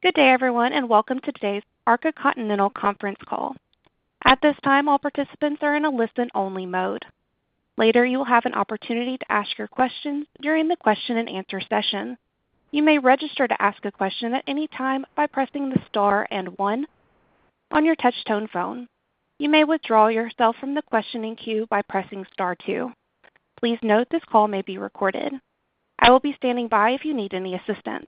Good day, everyone, and welcome to today's Arca Continental Conference Call. At this time, all participants are in a listen-only mode. Later, you will have an opportunity to ask your questions during the question and answer session. You may register to ask a question at any time by pressing the Star and one on your touch tone phone. You may withdraw yourself from the questioning queue by pressing Star two. Please note this call may be recorded. I will be standing by if you need any assistance.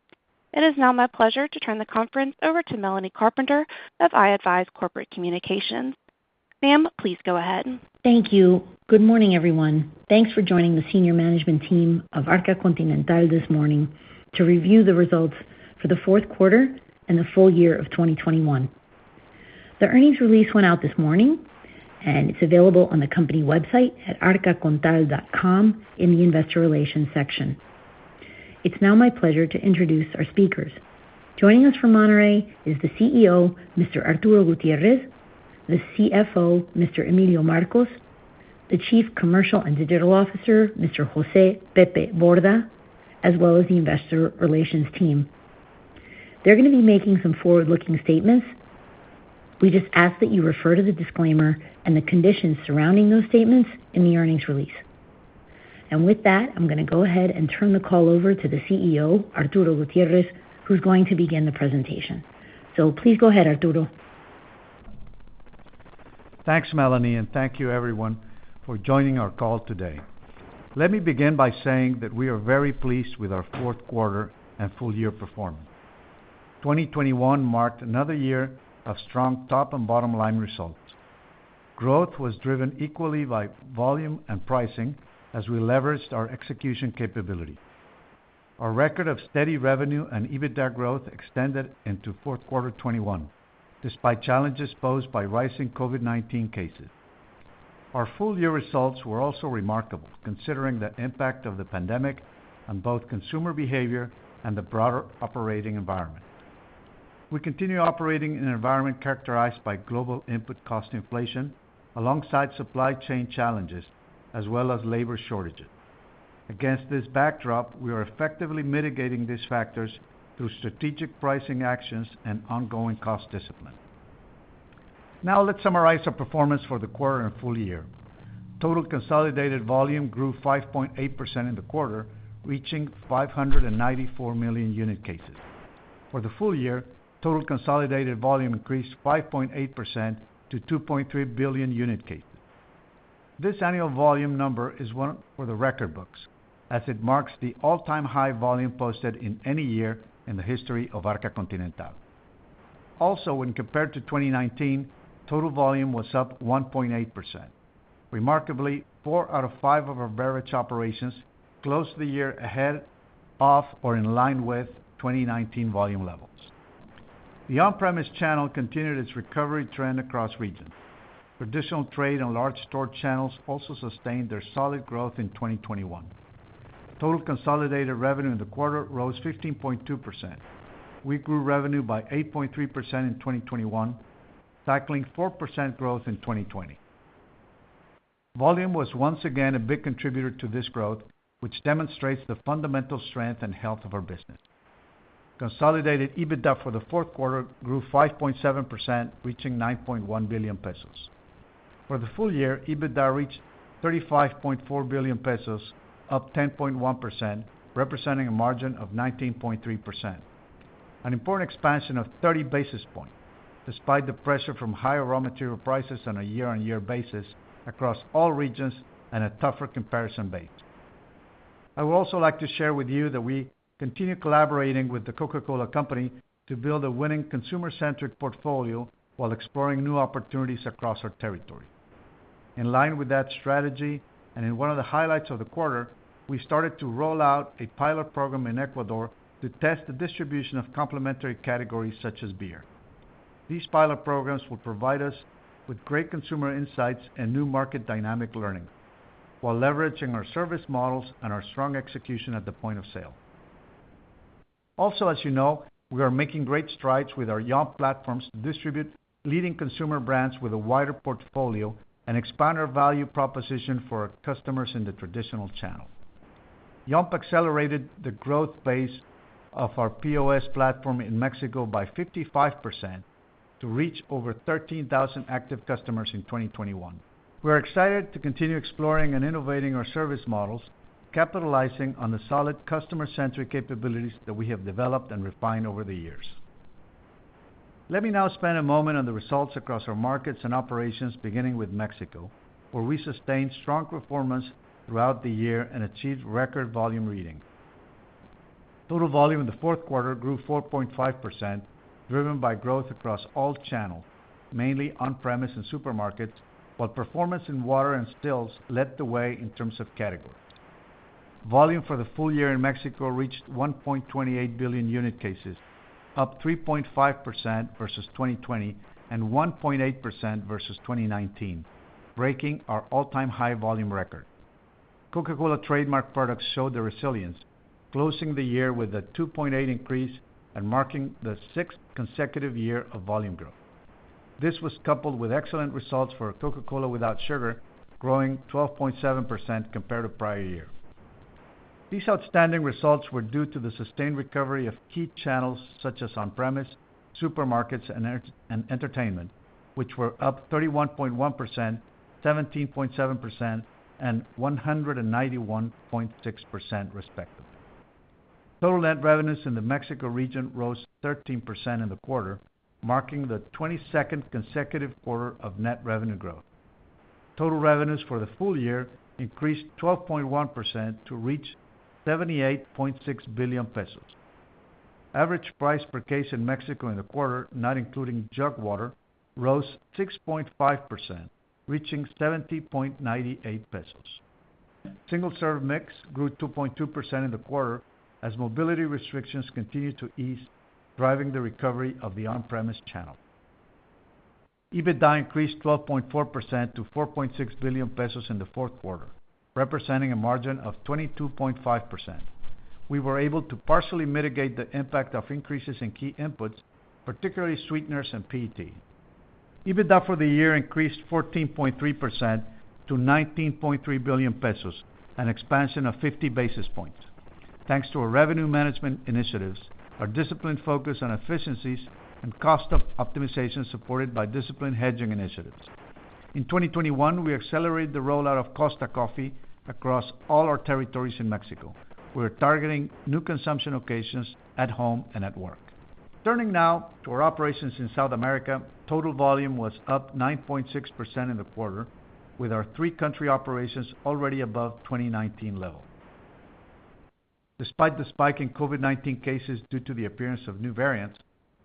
It is now my pleasure to turn the conference over to Melanie Carpenter of iAdvise Corporate Communications. Ma'am, please go ahead. Thank you. Good morning, everyone. Thanks for joining the senior management team of Arca Continental this morning to review the results for the fourth quarter and the full-year of 2021. The earnings release went out this morning, and it's available on the company website at arcacontinental.com in the investor relations section. It's now my pleasure to introduce our speakers. Joining us from Monterrey is the CEO, Mr. Arturo Gutiérrez, the CFO, Mr. Emilio Marcos, the Chief Commercial and Digital Officer, Mr. José Borda, as well as the investor relations team. They're gonna be making some forward-looking statements. We just ask that you refer to the disclaimer and the conditions surrounding those statements in the earnings release. With that, I'm gonna go ahead and turn the call over to the CEO, Arturo Gutiérrez, who's going to begin the presentation. Please go ahead, Arturo. Thanks, Melanie, and thank you everyone for joining our call today. Let me begin by saying that we are very pleased with our fourth quarter and full year performance. 2021 marked another year of strong top and bottom line results. Growth was driven equally by volume and pricing as we leveraged our execution capability. Our record of steady revenue and EBITDA growth extended into Q4 2021, despite challenges posed by rising COVID-19 cases. Our full-year results were also remarkable, considering the impact of the pandemic on both consumer behavior and the broader operating environment. We continue operating in an environment characterized by global input cost inflation alongside supply chain challenges as well as labor shortages. Against this backdrop, we are effectively mitigating these factors through strategic pricing actions and ongoing cost discipline. Now let's summarize our performance for the quarter and full-year. Total consolidated volume grew 5.8% in the quarter, reaching 594 million unit cases. For the full-year, total consolidated volume increased 5.8% to 2.3 billion unit cases. This annual volume number is one for the record books as it marks the all-time high volume posted in any year in the history of Arca Continental. Also, when compared to 2019, total volume was up 1.8%. Remarkably, four out of five of our beverage operations closed the year ahead of or in line with 2019 volume levels. The on-premise channel continued its recovery trend across regions. Traditional trade and large store channels also sustained their solid growth in 2021. Total consolidated revenue in the quarter rose 15.2%. We grew revenue by 8.3% in 2021, tackling 4% growth in 2020. Volume was once again a big contributor to this growth, which demonstrates the fundamental strength and health of our business. Consolidated EBITDA for the Q4 grew 5.7%, reaching 9.1 billion pesos. For the full year, EBITDA reached 35.4 billion pesos, up 10.1%, representing a margin of 19.3%. An important expansion of 30 basis points despite the pressure from higher raw material prices on a year-on-year basis across all regions and a tougher comparison base. I would also like to share with you that we continue collaborating with The Coca-Cola Company to build a winning consumer-centric portfolio while exploring new opportunities across our territory. In line with that strategy, and in one of the highlights of the quarter, we started to roll out a pilot program in Ecuador to test the distribution of complementary categories such as beer. These pilot programs will provide us with great consumer insights and new market dynamic learning while leveraging our service models and our strong execution at the point of sale. Also, as you know, we are making great strides with our Yomp!® platforms to distribute leading consumer brands with a wider portfolio and expand our value proposition for our customers in the traditional channel. Yomp!® accelerated the growth base of our POS platform in Mexico by 55% to reach over 13,000 active customers in 2021. We're excited to continue exploring and innovating our service models, capitalizing on the solid customer-centric capabilities that we have developed and refined over the years. Let me now spend a moment on the results across our markets and operations, beginning with Mexico, where we sustained strong performance throughout the year and achieved record volume reading. Total volume in the fourth quarter grew 4.5%, driven by growth across all channels, mainly on-premise and supermarkets, while performance in water and stills led the way in terms of category. Volume for the full year in Mexico reached 1.28 billion unit cases, up 3.5% versus 2020 and 1.8% versus 2019, breaking our all-time high volume record. Coca-Cola trademark products showed the resilience, closing the year with a 2.8% increase and marking the sixth consecutive year of volume growth. This was coupled with excellent results for Coca-Cola Zero Sugar, growing 12.7% compared to prior year. These outstanding results were due to the sustained recovery of key channels such as on-premise, supermarkets, and entertainment, which were up 31.1%, 17.7%, and 191.6% respectively. Total net revenues in the Mexico region rose 13% in the quarter, marking the 22nd consecutive quarter of net revenue growth. Total revenues for the full year increased 12.1% to reach 78.6 billion pesos. Average price per case in Mexico in the quarter, not including jug water, rose 6.5%, reaching 70.98 pesos. Single-serve mix grew 2.2% in the quarter as mobility restrictions continued to ease, driving the recovery of the on-premise channel. EBITDA increased 12.4% to 4.6 billion pesos in the Q4, representing a margin of 22.5%. We were able to partially mitigate the impact of increases in key inputs, particularly sweeteners and PET. EBITDA for the year increased 14.3% to 19.3 billion pesos, an expansion of 50 basis points. Thanks to our revenue management initiatives, our disciplined focus on efficiencies, and cost of optimization, supported by disciplined hedging initiatives. In 2021, we accelerated the rollout of Costa Coffee across all our territories in Mexico. We're targeting new consumption occasions at home and at work. Turning now to our operations in South America. Total volume was up 9.6% in the quarter, with our three country operations already above 2019 level. Despite the spike in COVID-19 cases due to the appearance of new variants,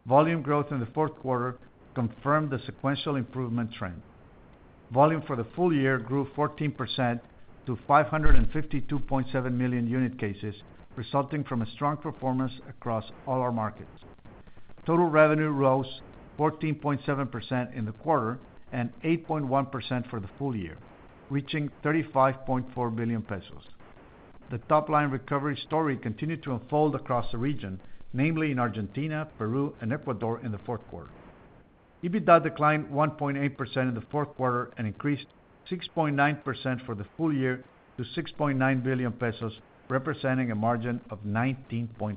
volume growth in the Q4 confirmed the sequential improvement trend. Volume for the full-year grew 14% to 552.7 million unit cases, resulting from a strong performance across all our markets. Total revenue rose 14.7% in the quarter and 8.1% for the full year, reaching 35.4 billion pesos. The top-line recovery story continued to unfold across the region, namely in Argentina, Peru, and Ecuador in the Q4. EBITDA declined 1.8% in the Q4 and increased 6.9% for the full year to 6.9 billion pesos, representing a margin of 19.5%.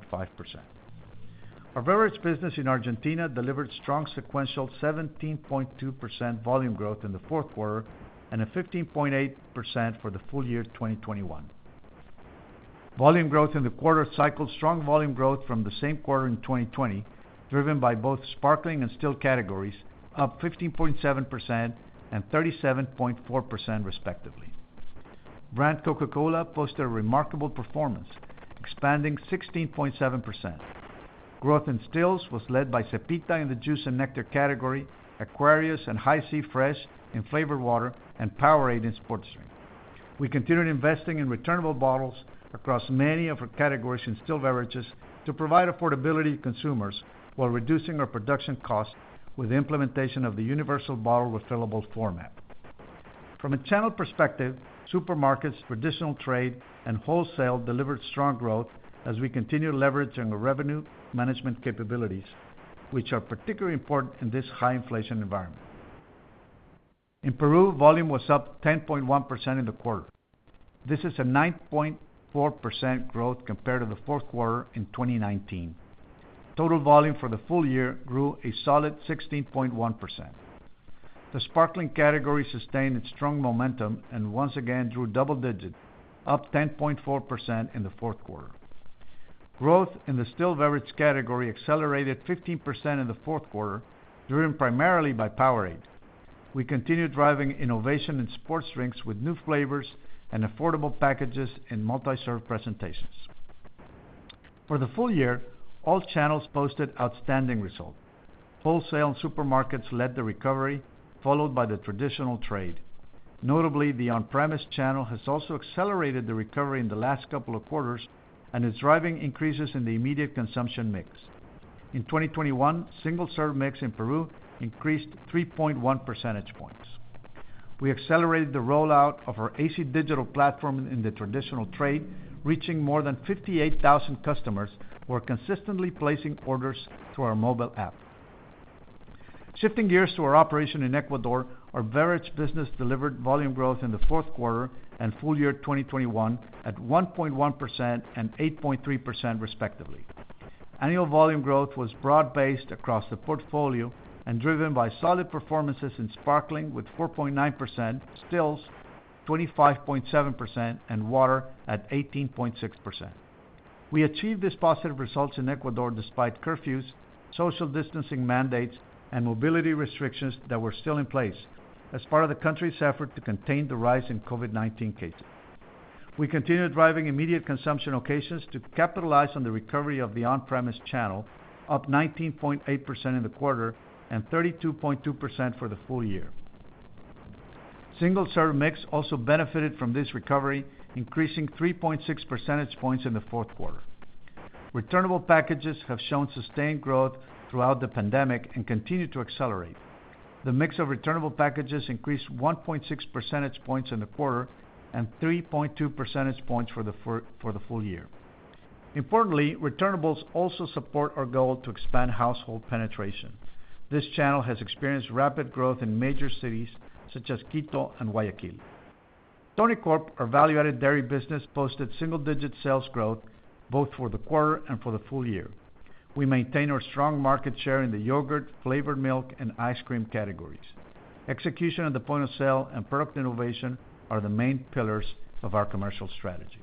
Our beverage business in Argentina delivered strong sequential 17.2% volume growth in the Q4 and a 15.8% for the full-year 2021. Volume growth in the quarter cycled strong volume growth from the same quarter in 2020, driven by both sparkling and still categories, up 15.7% and 37.4% respectively. The Coca-Cola® brand posted a remarkable performance, expanding 16.7%. Growth in stills was led by Cepita® in the juice and nectar category, Aquarius® and Hi-C Fresh® in flavored water, and POWERADE® in sports drink. We continued investing in returnable bottles across many of our categories in still beverages to provide affordability to consumers while reducing our production costs with the implementation of the universal bottle refillable format. From a channel perspective, supermarkets, traditional trade, and wholesale delivered strong growth as we continue leveraging the revenue management capabilities, which are particularly important in this high inflation environment. In Peru, volume was up 10.1% in the quarter. This is a 9.4% growth compared to the Q4 in 2019. Total volume for the full year grew a solid 16.1%. The sparkling category sustained its strong momentum and once again drew double digits, up 10.4% in the Q4. Growth in the still beverage category accelerated 15% in the Q4, driven primarily by POWERADE. We continued driving innovation in sports drinks with new flavors and affordable packages in multi-serve presentations. For the full-year, all channels posted outstanding results. Wholesale and supermarkets led the recovery, followed by the traditional trade. Notably, the on-premise channel has also accelerated the recovery in the last couple of quarters and is driving increases in the immediate consumption mix. In 2021, single-serve mix in Peru increased 3.1%. We accelerated the rollout of our AC Digital platform in the traditional trade, reaching more than 58,000 customers who are consistently placing orders through our mobile app. Shifting gears to our operation in Ecuador, our beverage business delivered volume growth in the fourth quarter and full-year 2021 at 1.1% and 8.3% respectively. Annual volume growth was broad-based across the portfolio and driven by solid performances in sparkling with 4.9%, stills 25.7%, and water at 18.6%. We achieved these positive results in Ecuador despite curfews, social distancing mandates, and mobility restrictions that were still in place as part of the country's effort to contain the rise in COVID-19 cases. We continued driving immediate consumption occasions to capitalize on the recovery of the on-premise channel, up 19.8% in the quarter and 32.2% for the full-year. Single-serve mix also benefited from this recovery, increasing 3.6% in the Q4. Returnable packages have shown sustained growth throughout the pandemic and continue to accelerate. The mix of returnable packages increased 1.6% in the quarter and 3.2% for the full-year. Importantly, returnables also support our goal to expand household penetration. This channel has experienced rapid growth in major cities such as Quito and Guayaquil. Tonicorp®, our value-added dairy business, posted single-digit sales growth both for the quarter and for the full-year. We maintain our strong market share in the yogurt, flavored milk, and ice cream categories. Execution at the point of sale and product innovation are the main pillars of our commercial strategy.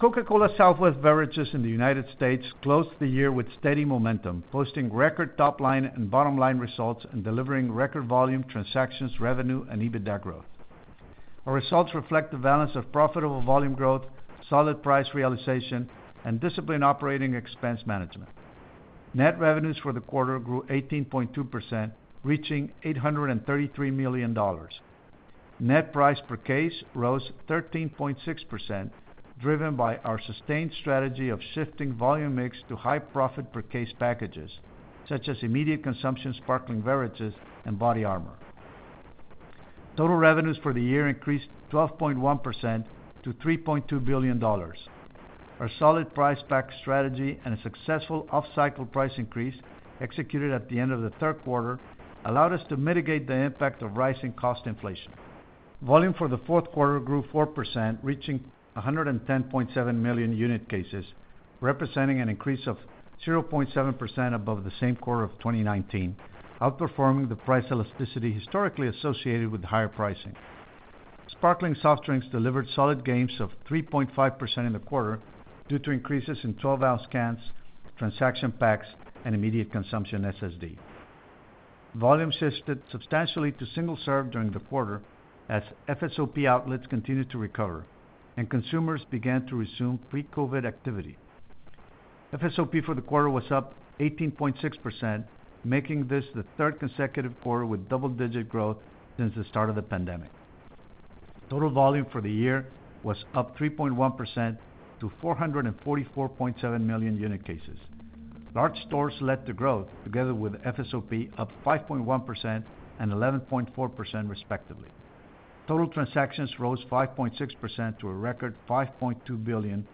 Coca-Cola Southwest Beverages® in the United States closed the year with steady momentum, posting record top-line and bottom-line results and delivering record volume, transactions, revenue, and EBITDA growth. Our results reflect the balance of profitable volume growth, solid price realization, and disciplined operating expense management. Net revenues for the quarter grew 18.2%, reaching $833 million. Net price per case rose 13.6%, driven by our sustained strategy of shifting volume mix to high profit per case packages, such as immediate consumption sparkling beverages and BODYARMOR®. Total revenues for the year increased 12.1% to $3.2 billion. Our solid price pack strategy and a successful off-cycle price increase executed at the end of the third quarter allowed us to mitigate the impact of rising cost inflation. Volume for the Q4 grew 4%, reaching 110.7 million unit cases, representing an increase of 0.7% above the same quarter of 2019, outperforming the price elasticity historically associated with higher pricing. Sparkling soft drinks delivered solid gains of 3.5% in the quarter due to increases in 12-ounce cans, transaction packs, and immediate consumption SSD. Volume shifted substantially to single-serve during the quarter as FSOP outlets continued to recover, and consumers began to resume pre-COVID activity. FSOP for the quarter was up 18.6%, making this the third consecutive quarter with double-digit growth since the start of the pandemic. Total volume for the year was up 3.1% to 444.7 million unit cases. Large stores led the growth, together with FSOP, up 5.1% and 11.4% respectively. Total transactions rose 5.6% to a record 5.2 billion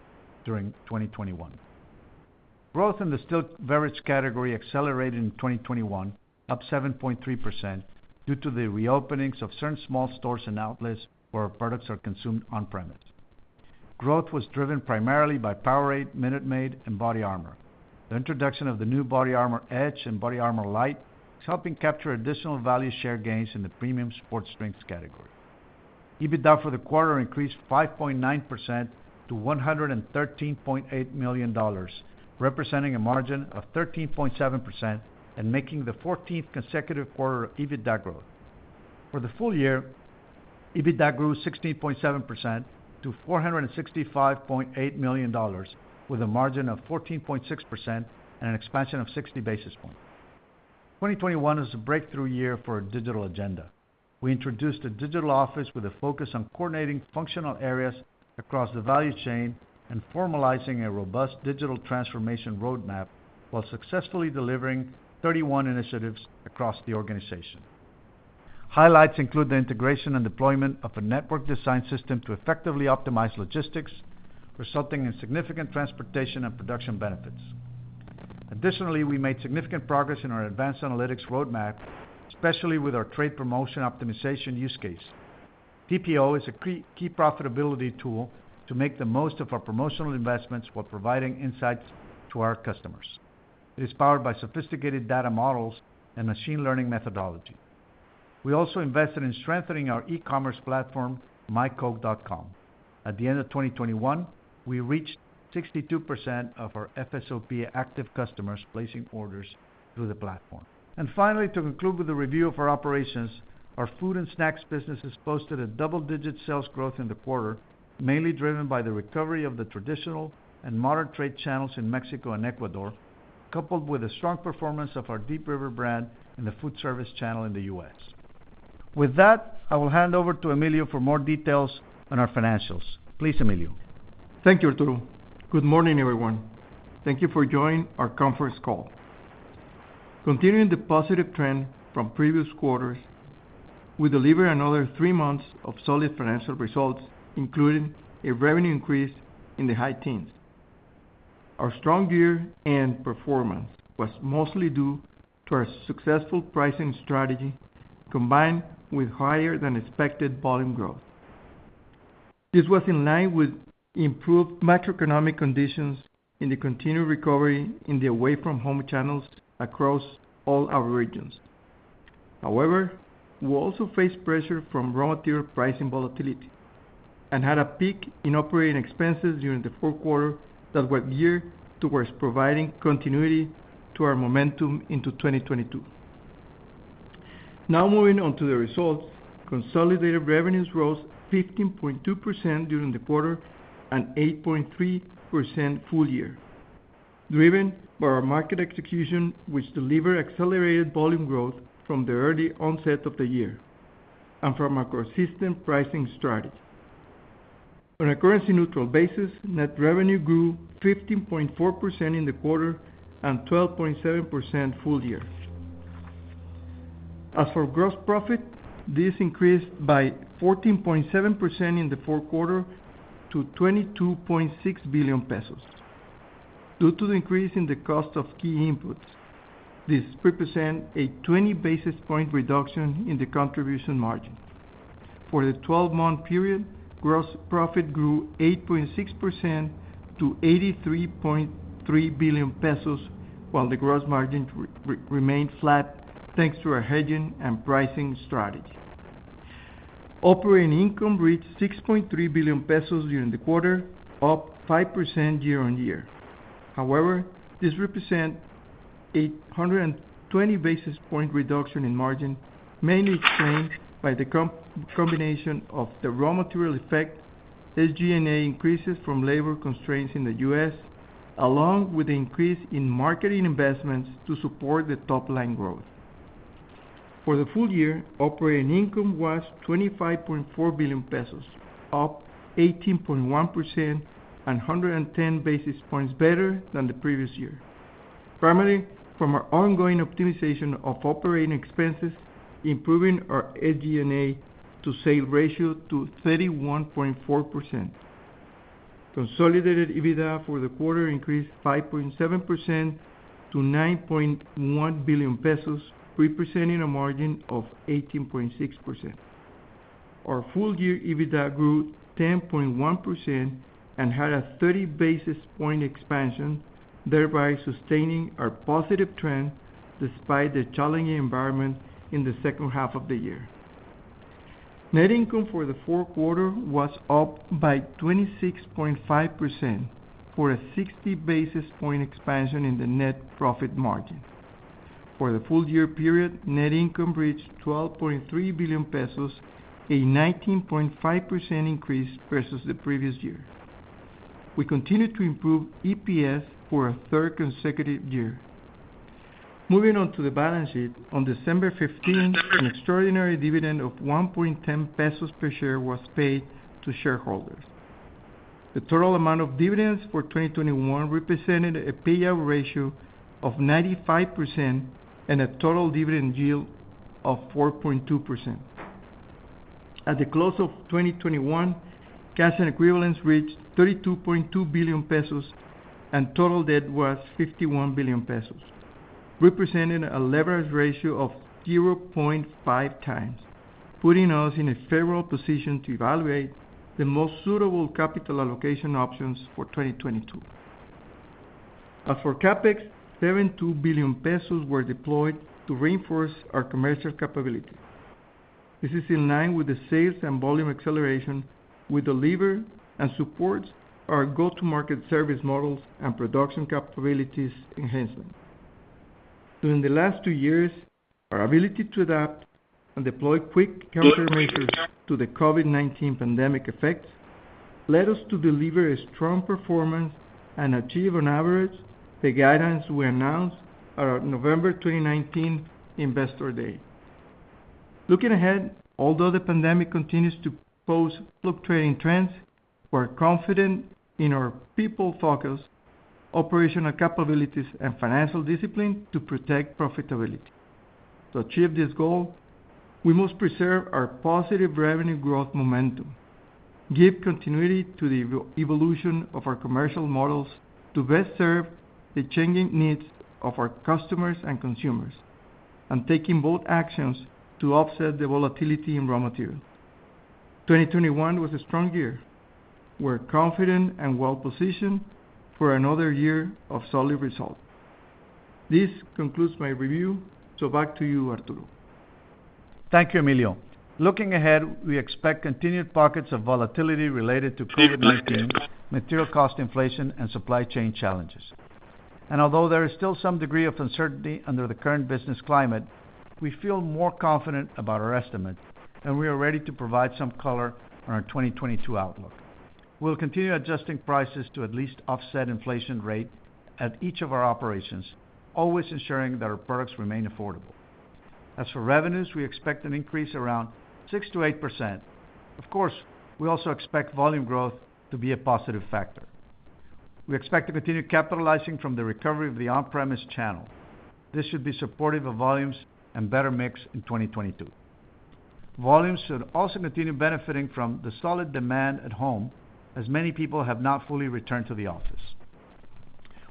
during 2021. Growth in the still beverage category accelerated in 2021, up 7.3% due to the reopenings of certain small stores and outlets where our products are consumed on premise. Growth was driven primarily by POWERADE®, Minute Maid®, and BODYARMOR®. The introduction of the new BODYARMOR Edge® and BODYARMOR Lyte® is helping capture additional value share gains in the premium sports drinks category. EBITDA for the quarter increased 5.9% to $113.8 million, representing a margin of 13.7% and making the 14th consecutive quarter of EBITDA growth. For the full-year, EBITDA grew 16.7% to $465.8 million with a margin of 14.6% and an expansion of 60 basis points. 2021 is a breakthrough year for our digital agenda. We introduced a digital office with a focus on coordinating functional areas across the value chain and formalizing a robust digital transformation roadmap while successfully delivering 31 initiatives across the organization. Highlights include the integration and deployment of a network design system to effectively optimize logistics, resulting in significant transportation and production benefits. Additionally, we made significant progress in our advanced analytics roadmap, especially with our Trade Promotion Optimization use case. TPO is a key profitability tool to make the most of our promotional investments while providing insights to our customers. It is powered by sophisticated data models and machine learning methodology. We also invested in strengthening our e-commerce platform, myCoke.com. At the end of 2021, we reached 62% of our FSOP active customers placing orders through the platform. Finally, to conclude with the review of our operations, our food and snacks businesses posted a double-digit sales growth in the quarter, mainly driven by the recovery of the traditional and modern trade channels in Mexico and Ecuador, coupled with the strong performance of our Deep River® brand in the food service channel in the U.S. With that, I will hand over to Emilio for more details on our financials. Please, Emilio. Thank you, Arturo. Good morning, everyone. Thank you for joining our conference call. Continuing the positive trend from previous quarters, we delivered another three months of solid financial results, including a revenue increase in the high teens%. Our strong year-end performance was mostly due to our successful pricing strategy, combined with higher than expected volume growth. This was in line with improved macroeconomic conditions in the continued recovery in the away-from-home channels across all our regions. However, we also faced pressure from raw material pricing volatility and had a peak in operating expenses during the Q4 that were geared towards providing continuity to our momentum into 2022. Now moving on to the results. Consolidated revenues rose 15.2% during the quarter and 8.3% full-year, driven by our market execution, which delivered accelerated volume growth from the early onset of the year, and from a consistent pricing strategy. On a currency-neutral basis, net revenue grew 15.4% in the quarter and 12.7% full-year. As for gross profit, this increased by 14.7% in the fourth quarter to 22.6 billion pesos. Due to the increase in the cost of key inputs, this represent a 20 basis point reduction in the contribution margin. For the twelve-month period, gross profit grew 8.6% to 83.3 billion pesos, while the gross margin remained flat, thanks to our hedging and pricing strategy. Operating income reached 6.3 billion pesos during the quarter, up 5% year-on-year. However, this represents a 120 basis point reduction in margin, mainly explained by the combination of the raw material effect, SG&A increases from labor constraints in the U.S., along with the increase in marketing investments to support the top line growth. For the full year, operating income was 25.4 billion pesos, up 18.1%, and 110 basis points better than the previous year, primarily from our ongoing optimization of operating expenses, improving our SG&A to sales ratio to 31.4%. Consolidated EBITDA for the quarter increased 5.7% to 9.1 billion pesos, representing a margin of 18.6%. Our full-year EBITDA grew 10.1% and had a 30 basis point expansion, thereby sustaining our positive trend despite the challenging environment in the second half of the year. Net income for the Q4 was up by 26.5% for a 60 basis points expansion in the net profit margin. For the full-year period, net income reached 12.3 billion pesos, a 19.5% increase versus the previous year. We continued to improve EPS for a third consecutive year. Moving on to the balance sheet, on December 15, an extraordinary dividend of 1.10 pesos per share was paid to shareholders. The total amount of dividends for 2021 represented a payout ratio of 95% and a total dividend yield of 4.2%. At the close of 2021, cash and equivalents reached 32.2 billion pesos, and total debt was 51 billion pesos, representing a leverage ratio of 0.5x, putting us in a favorable position to evaluate the most suitable capital allocation options for 2022. As for CapEx, 7.2 billion pesos were deployed to reinforce our commercial capability. This is in line with the sales and volume acceleration we delivered, and supports our go-to-market service models and production capabilities enhancement. During the last two years, our ability to adapt and deploy quick countermeasures to the COVID-19 pandemic effects led us to deliver a strong performance and achieve on average the guidance we announced at our November 2019 investor day. Looking ahead, although the pandemic continues to pose fluctuating trends, we're confident in our people-focused operational capabilities and financial discipline to protect profitability. To achieve this goal, we must preserve our positive revenue growth momentum, give continuity to the evolution of our commercial models to best serve the changing needs of our customers and consumers, and taking bold actions to offset the volatility in raw materials. 2021 was a strong year. We're confident and well-positioned for another year of solid results. This concludes my review, so back to you, Arturo. Thank you, Emilio. Looking ahead, we expect continued pockets of volatility related to COVID-19, material cost inflation, and supply chain challenges. Although there is still some degree of uncertainty under the current business climate, we feel more confident about our estimate, and we are ready to provide some color on our 2022 outlook. We'll continue adjusting prices to at least offset inflation rate at each of our operations, always ensuring that our products remain affordable. As for revenues, we expect an increase around 6%-8%. Of course, we also expect volume growth to be a positive factor. We expect to continue capitalizing from the recovery of the on-premise channel. This should be supportive of volumes and better mix in 2022. Volumes should also continue benefiting from the solid demand at home, as many people have not fully returned to the office.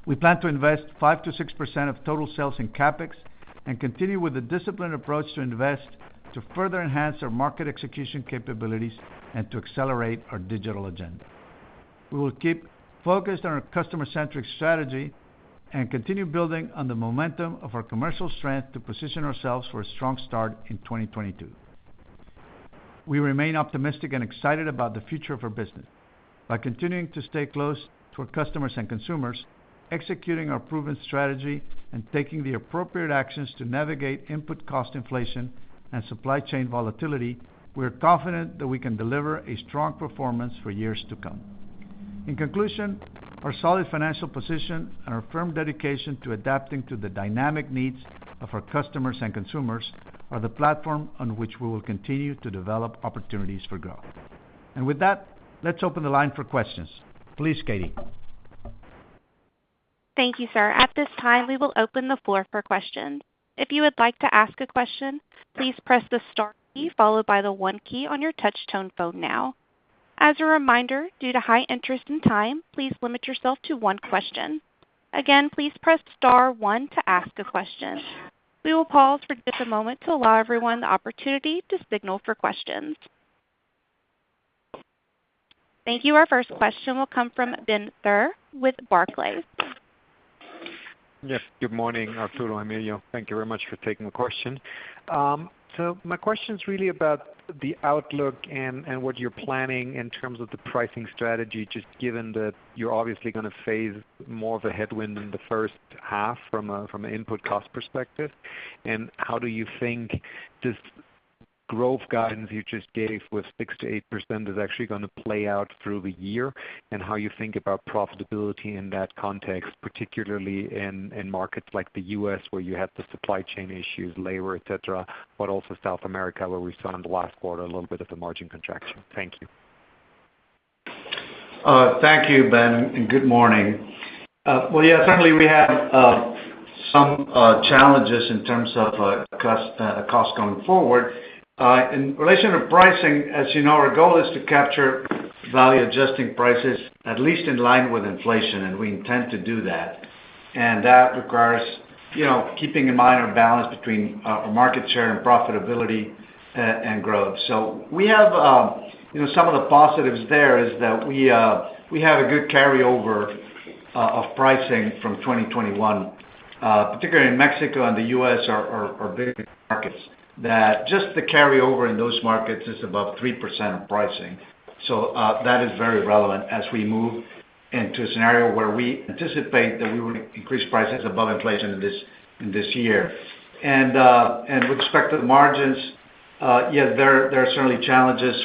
We plan to invest 5%-6% of total sales in CapEx, and continue with a disciplined approach to invest to further enhance our market execution capabilities and to accelerate our digital agenda. We will keep focused on our customer-centric strategy and continue building on the momentum of our commercial strength to position ourselves for a strong start in 2022. We remain optimistic and excited about the future of our business. By continuing to stay close to our customers and consumers, executing our proven strategy, and taking the appropriate actions to navigate input cost inflation and supply chain volatility, we are confident that we can deliver a strong performance for years to come. In conclusion, our solid financial position and our firm dedication to adapting to the dynamic needs of our customers and consumers are the platform on which we will continue to develop opportunities for growth. With that, let's open the line for questions. Please, Katie. Thank you, sir. At this time, we will open the floor for questions. If you would like to ask a question, please press the star key followed by the one key on your touch tone phone now. As a reminder, due to high interest and time, please limit yourself to one question. Again, please press star one to ask a question. We will pause for just a moment to allow everyone the opportunity to signal for questions. Thank you. Our first question will come from Benjamin Theurer with Barclays. Yes, good morning, Arturo, Emilio. Thank you very much for taking the question. So my question is really about the outlook and what you're planning in terms of the pricing strategy, just given that you're obviously gonna face more of a headwind in the first half from an input cost perspective. How do you think this growth guidance you just gave with 6%-8% is actually gonna play out through the year, and how you think about profitability in that context, particularly in markets like the U.S. where you have the supply chain issues, labor, et cetera, but also South America, where we saw in the last quarter a little bit of the margin contraction. Thank you. Thank you, Ben, and good morning. Well, yeah, certainly we have some challenges in terms of costs going forward. In relation to pricing, our goal is to capture value-adjusting prices at least in line with inflation, and we intend to do that. That requires, you know, keeping in mind our balance between our market share and profitability and growth. We have some of the positives there is that we have a good carryover of pricing from 2021, particularly in Mexico and the U.S. are big markets that just the carryover in those markets is above 3% of pricing. That is very relevant as we move into a scenario where we anticipate that we will increase prices above inflation this year. With respect to the margins, yeah, there are certainly challenges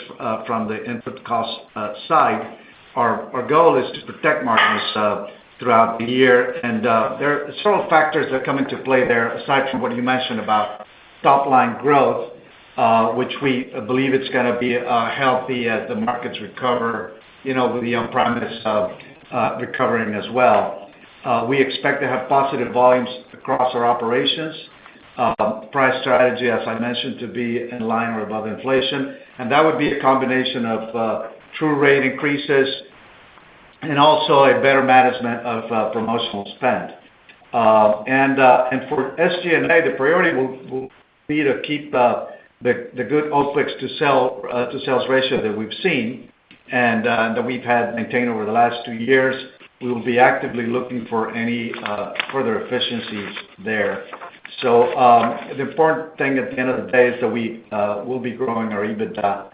from the input cost side. Our goal is to protect margins throughout the year. There are several factors that come into play there, aside from what you mentioned about top line growth, which we believe it's gonna be healthy as the markets recover, you know, with the on-premise recovering as well. We expect to have positive volumes across our operations. Price strategy, as I mentioned, to be in line or above inflation. That would be a combination of true rate increases and also a better management of promotional spend. For SG&A, the priority will be to keep the good OpEx to sales ratio that we've seen and that we've had maintained over the last two years. We will be actively looking for any further efficiencies there. The important thing at the end of the day is that we will be growing our EBITDA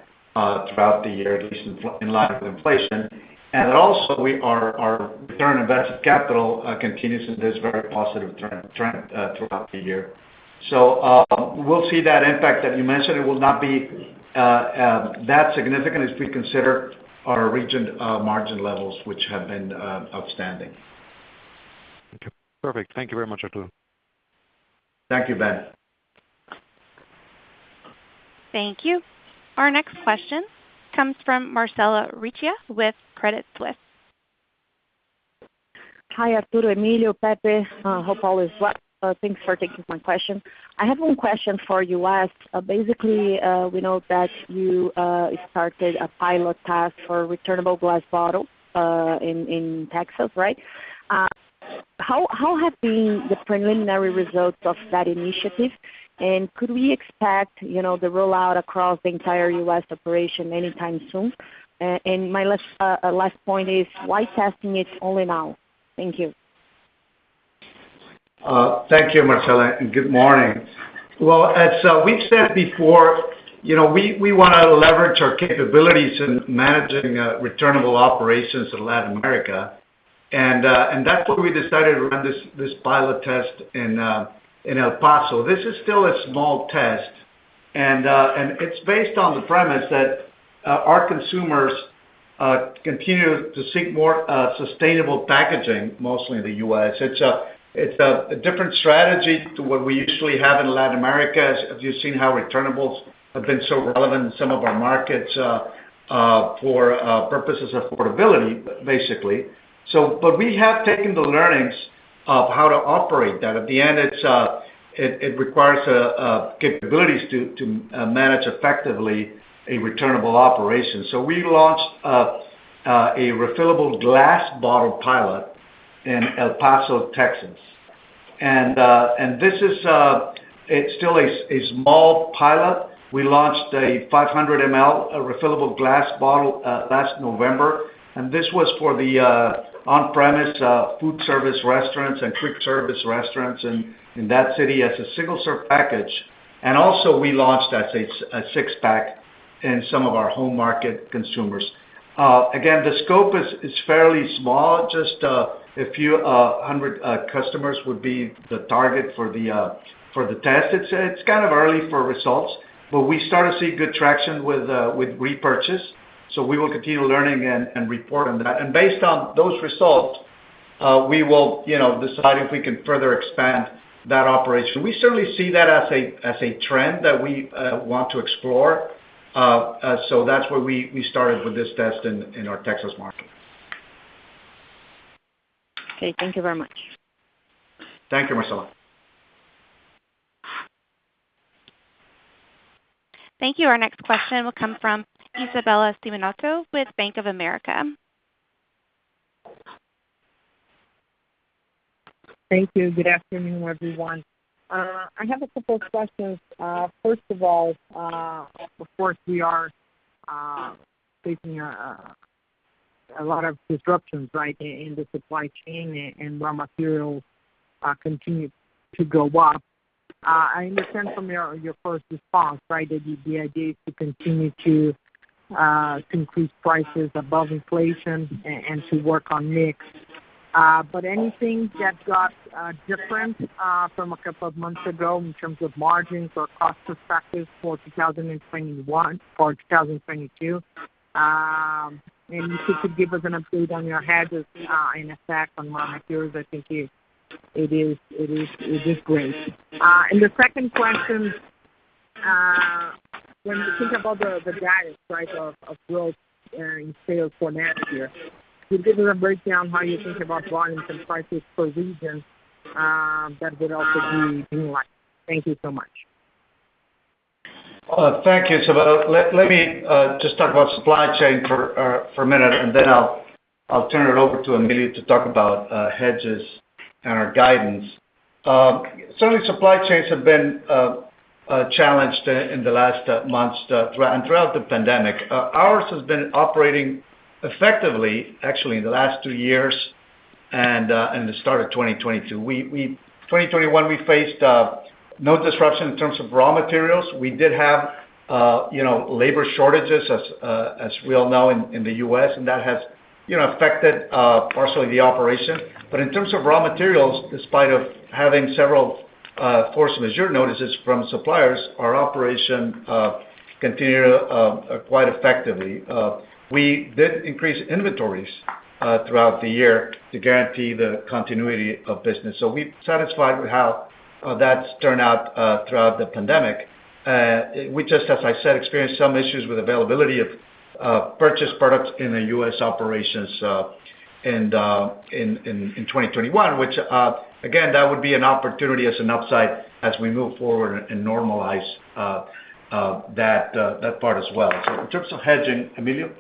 throughout the year, at least in line with inflation. Also our return on invested capital continues in this very positive trend throughout the year. We'll see that impact that you mentioned. It will not be that significant as we consider our regional margin levels, which have been outstanding. Okay. Perfect. Thank you very much, Arturo. Thank you, Ben. Thank you. Our next question comes from Marcella Recchia with Credit Suisse. Hi, Arturo, Emilio, Pepe. Hope all is well. Thanks for taking my question. I have one question for U.S. Basically, we know that you started a pilot test for returnable glass bottle in Texas, right? How have been the preliminary results of that initiative? Could we expect the rollout across the entire U.S. operation anytime soon? My last point is why testing it only now? Thank you. Thank you, Marcella, and good morning. Well, as we've said before, we wanna leverage our capabilities in managing returnable operations in Latin America. That's why we decided to run this pilot test in El Paso. This is still a small test, and it's based on the premise that our consumers continue to seek more sustainable packaging, mostly in the U.S. It's a different strategy to what we usually have in Latin America, as you've seen how returnables have been so relevant in some of our markets for purposes of portability, basically. But we have taken the learnings of how to operate that. At the end, it requires capabilities to manage effectively a returnable operation. We launched a refillable glass bottle pilot in El Paso, Texas. This is still a small pilot. We launched a 500 ml refillable glass bottle last November, and this was for the on-premise food service restaurants and quick service restaurants in that city as a single serve package. We also launched a six-pack in some of our home market consumers. Again, the scope is fairly small. Just a few hundred customers would be the target for the test. It's kind of early for results, but we start to see good traction with repurchase. We will continue learning and report on that. Based on those results, we will, you know, decide if we can further expand that operation. We certainly see that as a trend that we want to explore. That's where we started with this test in our Texas market. Okay, thank you very much. Thank you, Marcella. Thank you. Our next question will come from Isabella Simonato with Bank of America. Thank you. Good afternoon, everyone. I have a couple of questions. First of all, of course, we are facing a lot of disruptions, right, in the supply chain and raw materials continue to go up. I understand from your first response, right, that the idea is to continue to increase prices above inflation and to work on mix. Anything that got different from a couple of months ago in terms of margins or cost perspective for 2022? If you could give us an update on your hedges and effect on raw materials, I think it is great. The second question, when you think about the guidance, right, of growth and sales for next year, could you give us a breakdown how you think about volumes and prices per region, that would also be enlightening? Thank you so much. Thank you, Isabella. Let me just talk about supply chain for a minute, and then I'll turn it over to Emilio to talk about hedges and our guidance. Certainly supply chains have been challenged in the last months, throughout the pandemic. Ours has been operating effectively, actually, in the last two years and in the start of 2022. In 2021, we faced no disruption in terms of raw materials. We did have, you know, labor shortages as we all know in the U.S., and that has, you know, affected partially the operation. But in terms of raw materials, despite of having several force majeure notices from suppliers, our operation continue quite effectively. We did increase inventories throughout the year to guarantee the continuity of business. We're satisfied with how that's turned out throughout the pandemic. We just, as I said, experienced some issues with availability of purchased products in the U.S. operations in 2021, which, again, that would be an opportunity as an upside as we move forward and normalize that part as well. In terms of hedging, Emilio?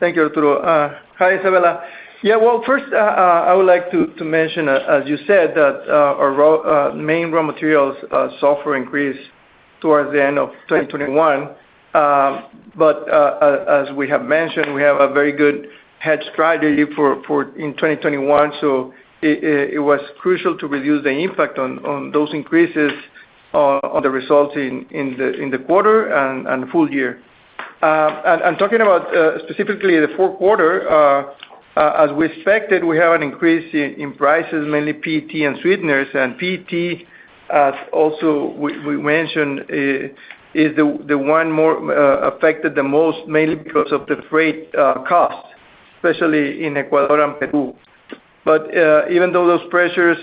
Thank you, Arturo. Hi, Isabella. Well, first, I would like to mention, as you said, that our main raw materials, sugar increased towards the end of 2021. As we have mentioned, we have a very good hedge strategy in 2021, so it was crucial to reduce the impact on those increases on the results in the quarter and full year. Talking about specifically the fourth quarter, as we expected, we have an increase in prices, mainly PET and sweeteners. PET also we mentioned is the one more affected the most mainly because of the freight costs, especially in Ecuador and Peru. Even though those pressures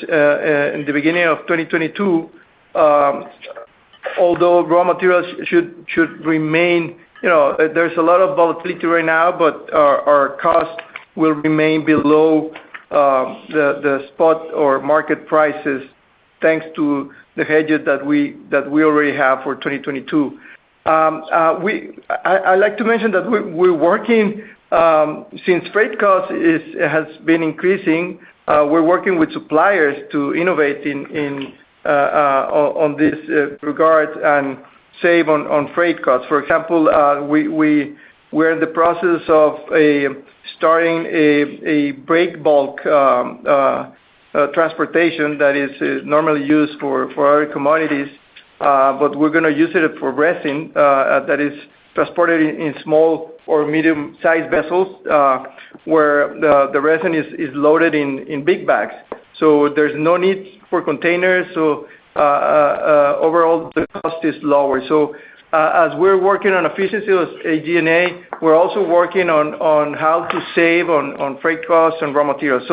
in the beginning of 2022, although raw materials should remain, there's a lot of volatility right now, but our costs will remain below the spot or market prices, thanks to the hedges that we already have for 2022. I like to mention that we're working, since freight cost has been increasing, we're working with suppliers to innovate in this regard and save on freight costs. For example, we're in the process of starting a break bulk transportation that is normally used for our commodities, but we're gonna use it for resin that is transported in small or medium-sized vessels, where the resin is loaded in big bags. There's no need for containers. Overall, the cost is lower. As we're working on efficiency with ADNA, we're also working on how to save on freight costs and raw materials.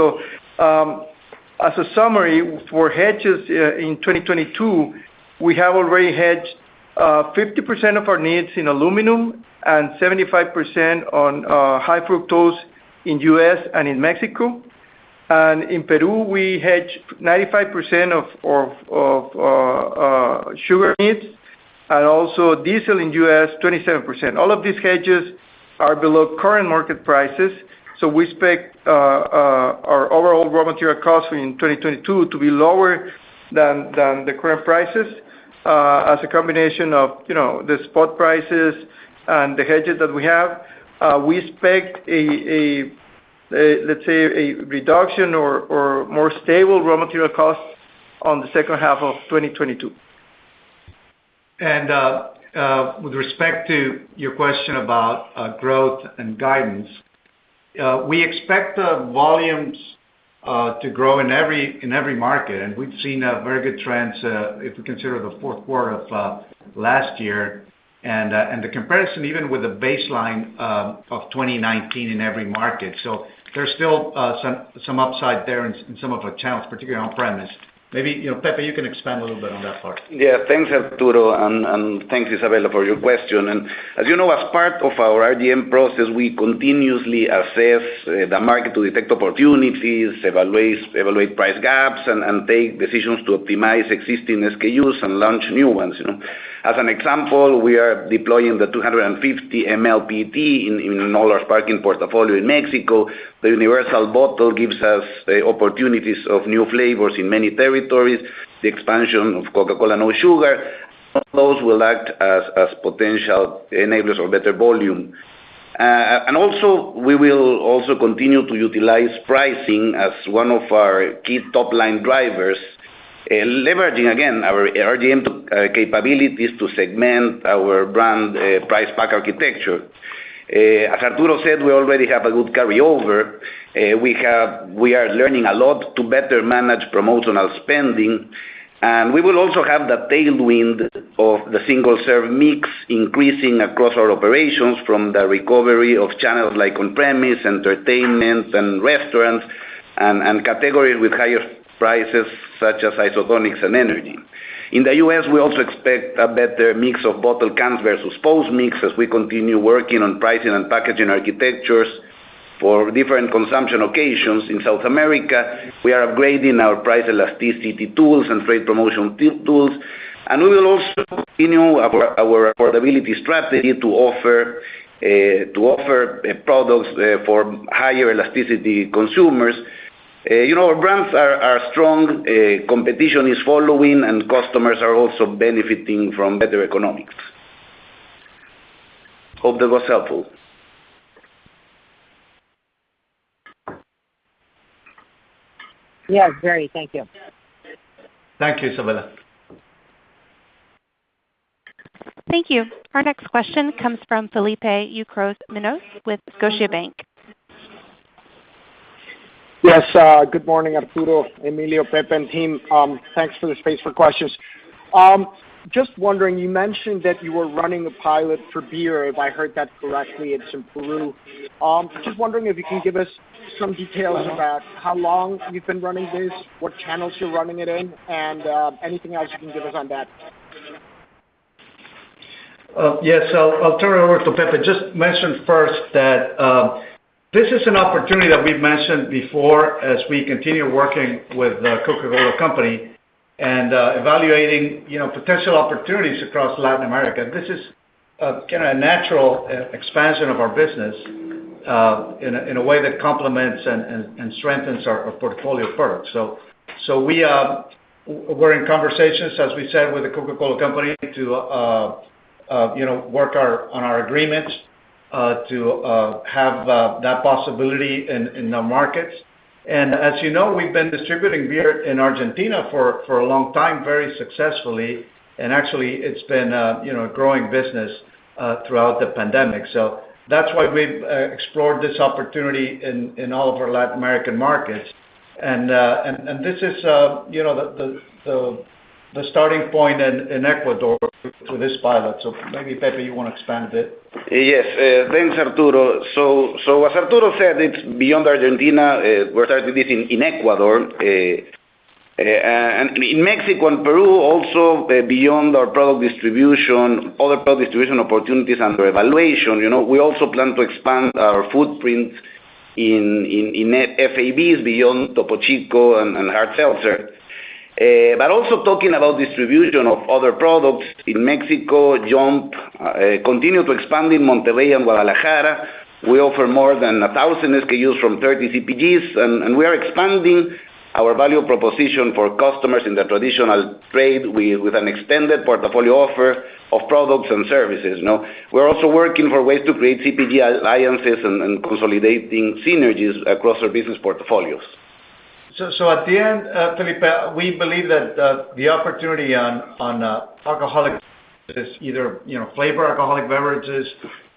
As a summary, for hedges, in 2022, we have already hedged 50% of our needs in aluminum and 75% on high fructose in U.S. and in Mexico. In Peru, we hedged 95% of sugar needs, and also diesel in U.S., 27%. All of these hedges are below current market prices. We expect our overall raw material costs in 2022 to be lower than the current prices. As a combination of, you know, the spot prices and the hedges that we have, we expect a, let's say, a reduction or more stable raw material costs on the second half of 2022. With respect to your question about growth and guidance, we expect the volumes to grow in every market, and we've seen very good trends if we consider the fourth quarter of last year and the comparison even with the baseline of 2019 in every market. There's still some upside there in some of our channels, particularly on-premise. Maybe, Pepe, you can expand a little bit on that part. Yeah. Thanks, Arturo, and thanks, Isabella, for your question. As you know, as part of our RDM process, we continuously assess the market to detect opportunities, evaluate price gaps and take decisions to optimize existing SKUs and launch new ones. As an example, we are deploying the 250 ml PET in all our sparkling portfolio in Mexico. The universal bottle gives us opportunities of new flavors in many territories, the expansion of Coca-Cola No Sugar®. All those will act as potential enablers of better volume. We will also continue to utilize pricing as one of our key top-line drivers, leveraging again our RDM capabilities to segment our brand price pack architecture. As Arturo said, we already have a good carryover. We are learning a lot to better manage promotional spending, and we will also have the tailwind of the single-serve mix increasing across our operations from the recovery of channels like on-premise, entertainment, and restaurants, and categories with higher prices such as isotonics and energy. In the U.S., we also expect a better mix of bottle cans versus post-mix as we continue working on pricing and packaging architectures for different consumption occasions. In South America, we are upgrading our price elasticity tools and trade promotion tools, and we will also continue our affordability strategy to offer products for higher elasticity consumers. Our brands are strong, competition is following, and customers are also benefiting from better economics. Hope that was helpful. Yes, very. Thank you. Thank you, Isabella Simonato. Thank you. Our next question comes from Felipe Ucros with Scotiabank. Yes. Good morning, Arturo, Emilio, Pepe, and team. Thanks for the space for questions. Just wondering, you mentioned that you were running a pilot for beer, if I heard that correctly, it's in Peru. Just wondering if you can give us some details about how long you've been running this, what channels you're running it in, and anything else you can give us on that? Yes. I'll turn it over to Pepe. Just mention first that this is an opportunity that we've mentioned before as we continue working with The Coca-Cola Company® and evaluating, potential opportunities across Latin America. This is kinda a natural expansion of our business in a way that complements and strengthens our portfolio of products. We're in conversations, as we said, with The Coca-Cola Company® to work on our agreements to have that possibility in the markets. As we've been distributing beer in Argentina for a long time very successfully. Actually it's been a growing business throughout the pandemic. That's why we've explored this opportunity in all of our Latin American markets. This is, the starting point in Ecuador for this pilot. Maybe, Pepe, wanna expand a bit. Yes. Thanks, Arturo. As Arturo said, it's beyond Argentina. We're starting this in Ecuador and in Mexico and Peru also beyond our product distribution, other product distribution opportunities under evaluation. We also plan to expand our footprint in FABs beyond Topo Chico® and Topo Chico® and Topo Chico® Hard Seltzer. Also talking about distribution of other products in Mexico, Yomp!®, continue to expand in Monterrey and Guadalajara. We offer more than 1,000 SKUs from 30 CPGs, and we are expanding our value proposition for customers in the traditional trade with an extended portfolio offer of products and services? We're also working for ways to create CPG alliances and consolidating synergies across our business portfolios. At the end, Felipe, we believe that the opportunity on alcoholic is either, flavored alcoholic beverages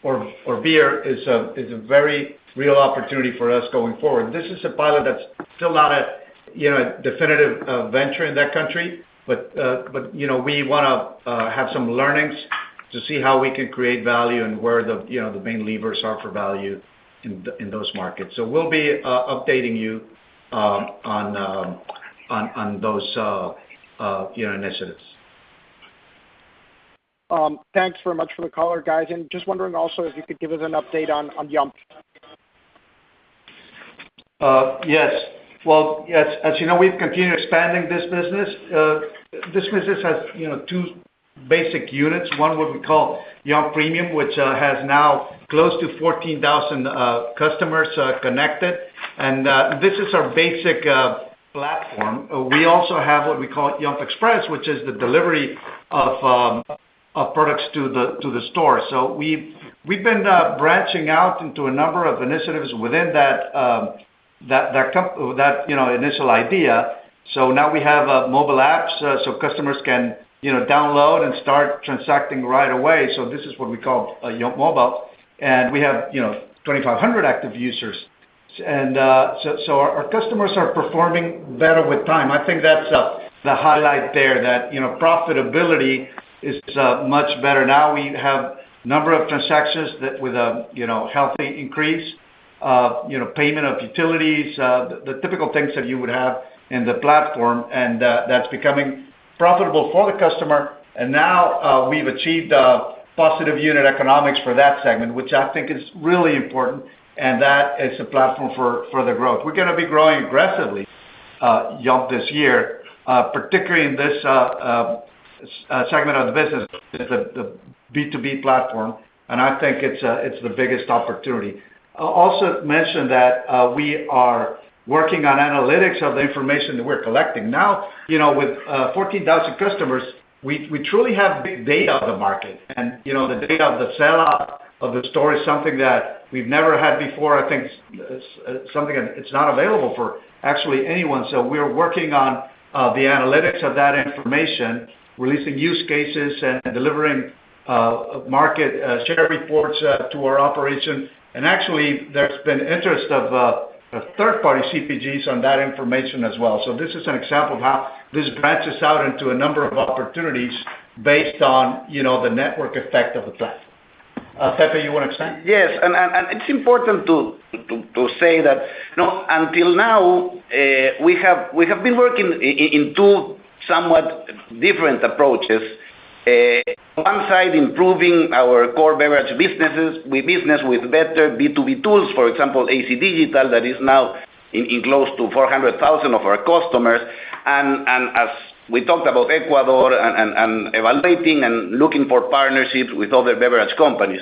or beer is a very real opportunity for us going forward. This is a pilot that's still not a definitive venture in that country, but we wanna have some learnings to see how we can create value and where the you know the main levers are for value in those markets. We'll be updating you on those you know initiatives. Thanks very much for the color, guys. Just wondering also if you could give us an update on Yomp!®. Yes. Well, yes, as we've continued expanding this business. This business has basic units. One what we call Yomp! Premium®, which has now close to 14,000 customers connected. This is our basic platform. We also have what we call Yomp! Express®, which is the delivery of products to the store. We've been branching out into a number of initiatives within that initial idea. Now we have mobile apps so customers can, download and start transacting right away. This is what we call Yomp! Mobile®, and we have, 2,500 active users. Our customers are performing better with time. I think that's the highlight there that, profitability is much better now. We have number of transactions that with, healthy increase, payment of utilities, the typical things that you would have in the platform and, that's becoming profitable for the customer. Now, we've achieved positive unit economics for that segment, which I think is really important, and that is a platform for the growth. We're gonna be growing aggressively. Yomp!® this year, particularly in this segment of the business, the B2B platform, and I think it's the biggest opportunity. I'll also mention that we are working on analytics of the information that we're collecting. Now, with 14,000 customers, we truly have big data of the market. The data of the sellout of the store is something that we've never had before. I think it's something that it's not available for actually anyone. We are working on the analytics of that information, releasing use cases and delivering market share reports to our operation. Actually, there's been interest of third party CPGs on that information as well. This is an example of how this branches out into a number of opportunities based on, the network effect of the platform. Pepe, you wanna expand? Yes. It's important to say that, you know, until now, we have been working in two somewhat different approaches. On one side, improving our core beverage businesses. We do business with better B2B tools, for example, AC Digital, that is now in close to 400,000 of our customers. As we talked about Ecuador and evaluating and looking for partnerships with other beverage companies.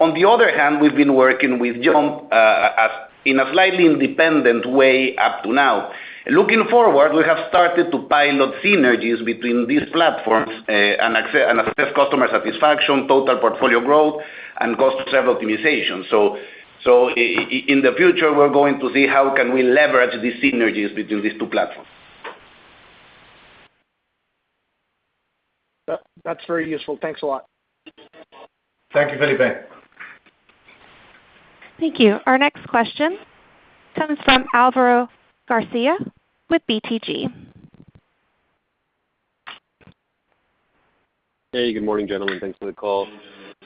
On the other hand, we've been working with Yomp!®, as in a slightly independent way up to now. Looking forward, we have started to pilot synergies between these platforms, and assess customer satisfaction, total portfolio growth, and cost savings optimization. In the future, we're going to see how can we leverage these synergies between these two platforms. That, that's very useful. Thanks a lot. Thank you, Felipe. Thank you. Our next question comes from Álvaro García with BTG. Hey, good morning, gentlemen. Thanks for the call.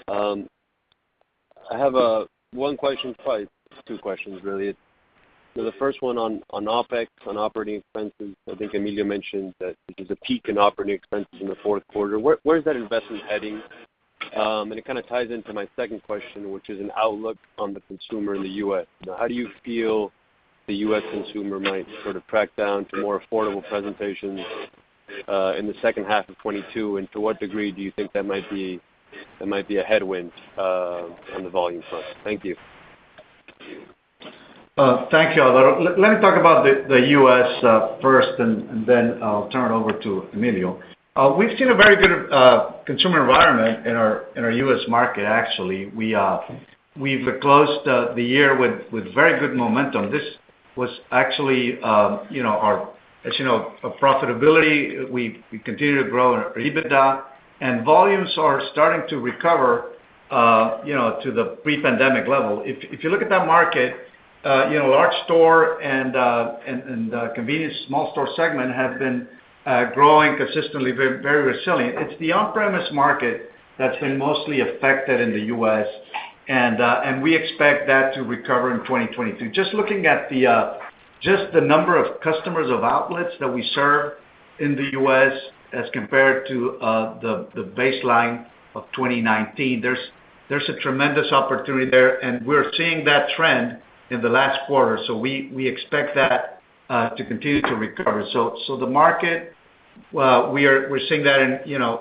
I have one question. Probably two questions, really. The first one on OpEx, on operating expenses. I think Emilio mentioned that there's a peak in operating expenses in the fourth quarter. Where is that investment heading? It kinda ties into my second question, which is an outlook on the consumer in the U.S. Now, how do you feel the U.S. consumer might sort of crack down to more affordable presentations in the H2 of 2022? To what degree do you think that might be a headwind on the volume front? Thank you. Thank you, Alvaro. Let me talk about the U.S. first, and then I'll turn it over to Emilio. We've seen a very good consumer environment in our U.S. market actually. We've closed the year with very good momentum. This was actually, you know, our. As you know, profitability, we continue to grow in our EBITDA, and volumes are starting to recover, to the pre-pandemic level. If you look at that market, large store and convenience small store segment have been growing consistently, very resilient. It's the on-premise market that's been mostly affected in the U.S., and we expect that to recover in 2022. Just looking at the number of customers of outlets that we serve in the U.S. as compared to the baseline of 2019, there's a tremendous opportunity there, and we're seeing that trend in the last quarter. We expect that to continue to recover. The market we're seeing that in, you know,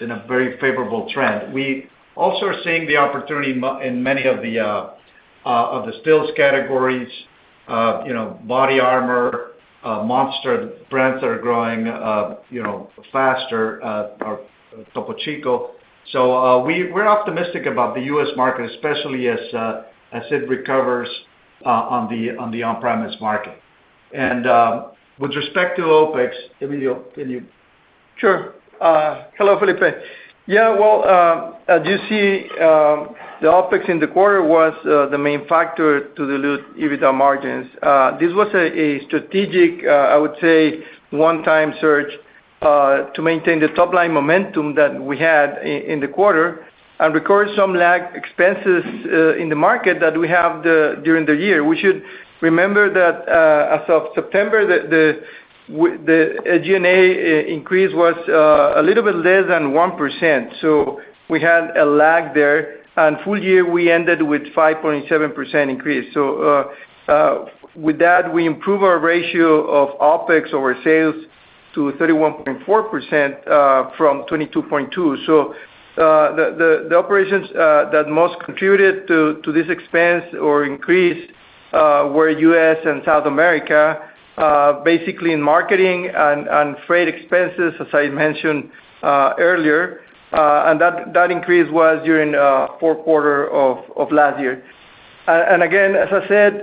in a very favorable trend. We also are seeing the opportunity in many of the stills categories, BODYARMOR®, Monster® brands that are growing, faster, or Topo Chico®. We're optimistic about the U.S. market, especially as it recovers, on the on-premise market. With respect to OpEx, Emilio, tell you. Sure. Hello, Felipe. As you see, the OpEx in the quarter was the main factor to dilute EBITDA margins. This was a strategic, I would say, one-time search to maintain the top-line momentum that we had in the quarter and record some lag expenses in the market during the year. We should remember that, as of September, the G&A increase was a little bit less than 1%, so we had a lag there. Full-year, we ended with 5.7% increase. With that, we improve our ratio of OpEx over sales to 31.4% from 22.2%. The operations that most contributed to this expense or increase were U.S. and South America, basically in marketing and freight expenses, as I mentioned earlier. That increase was during fourth quarter of last year. Again, as I said,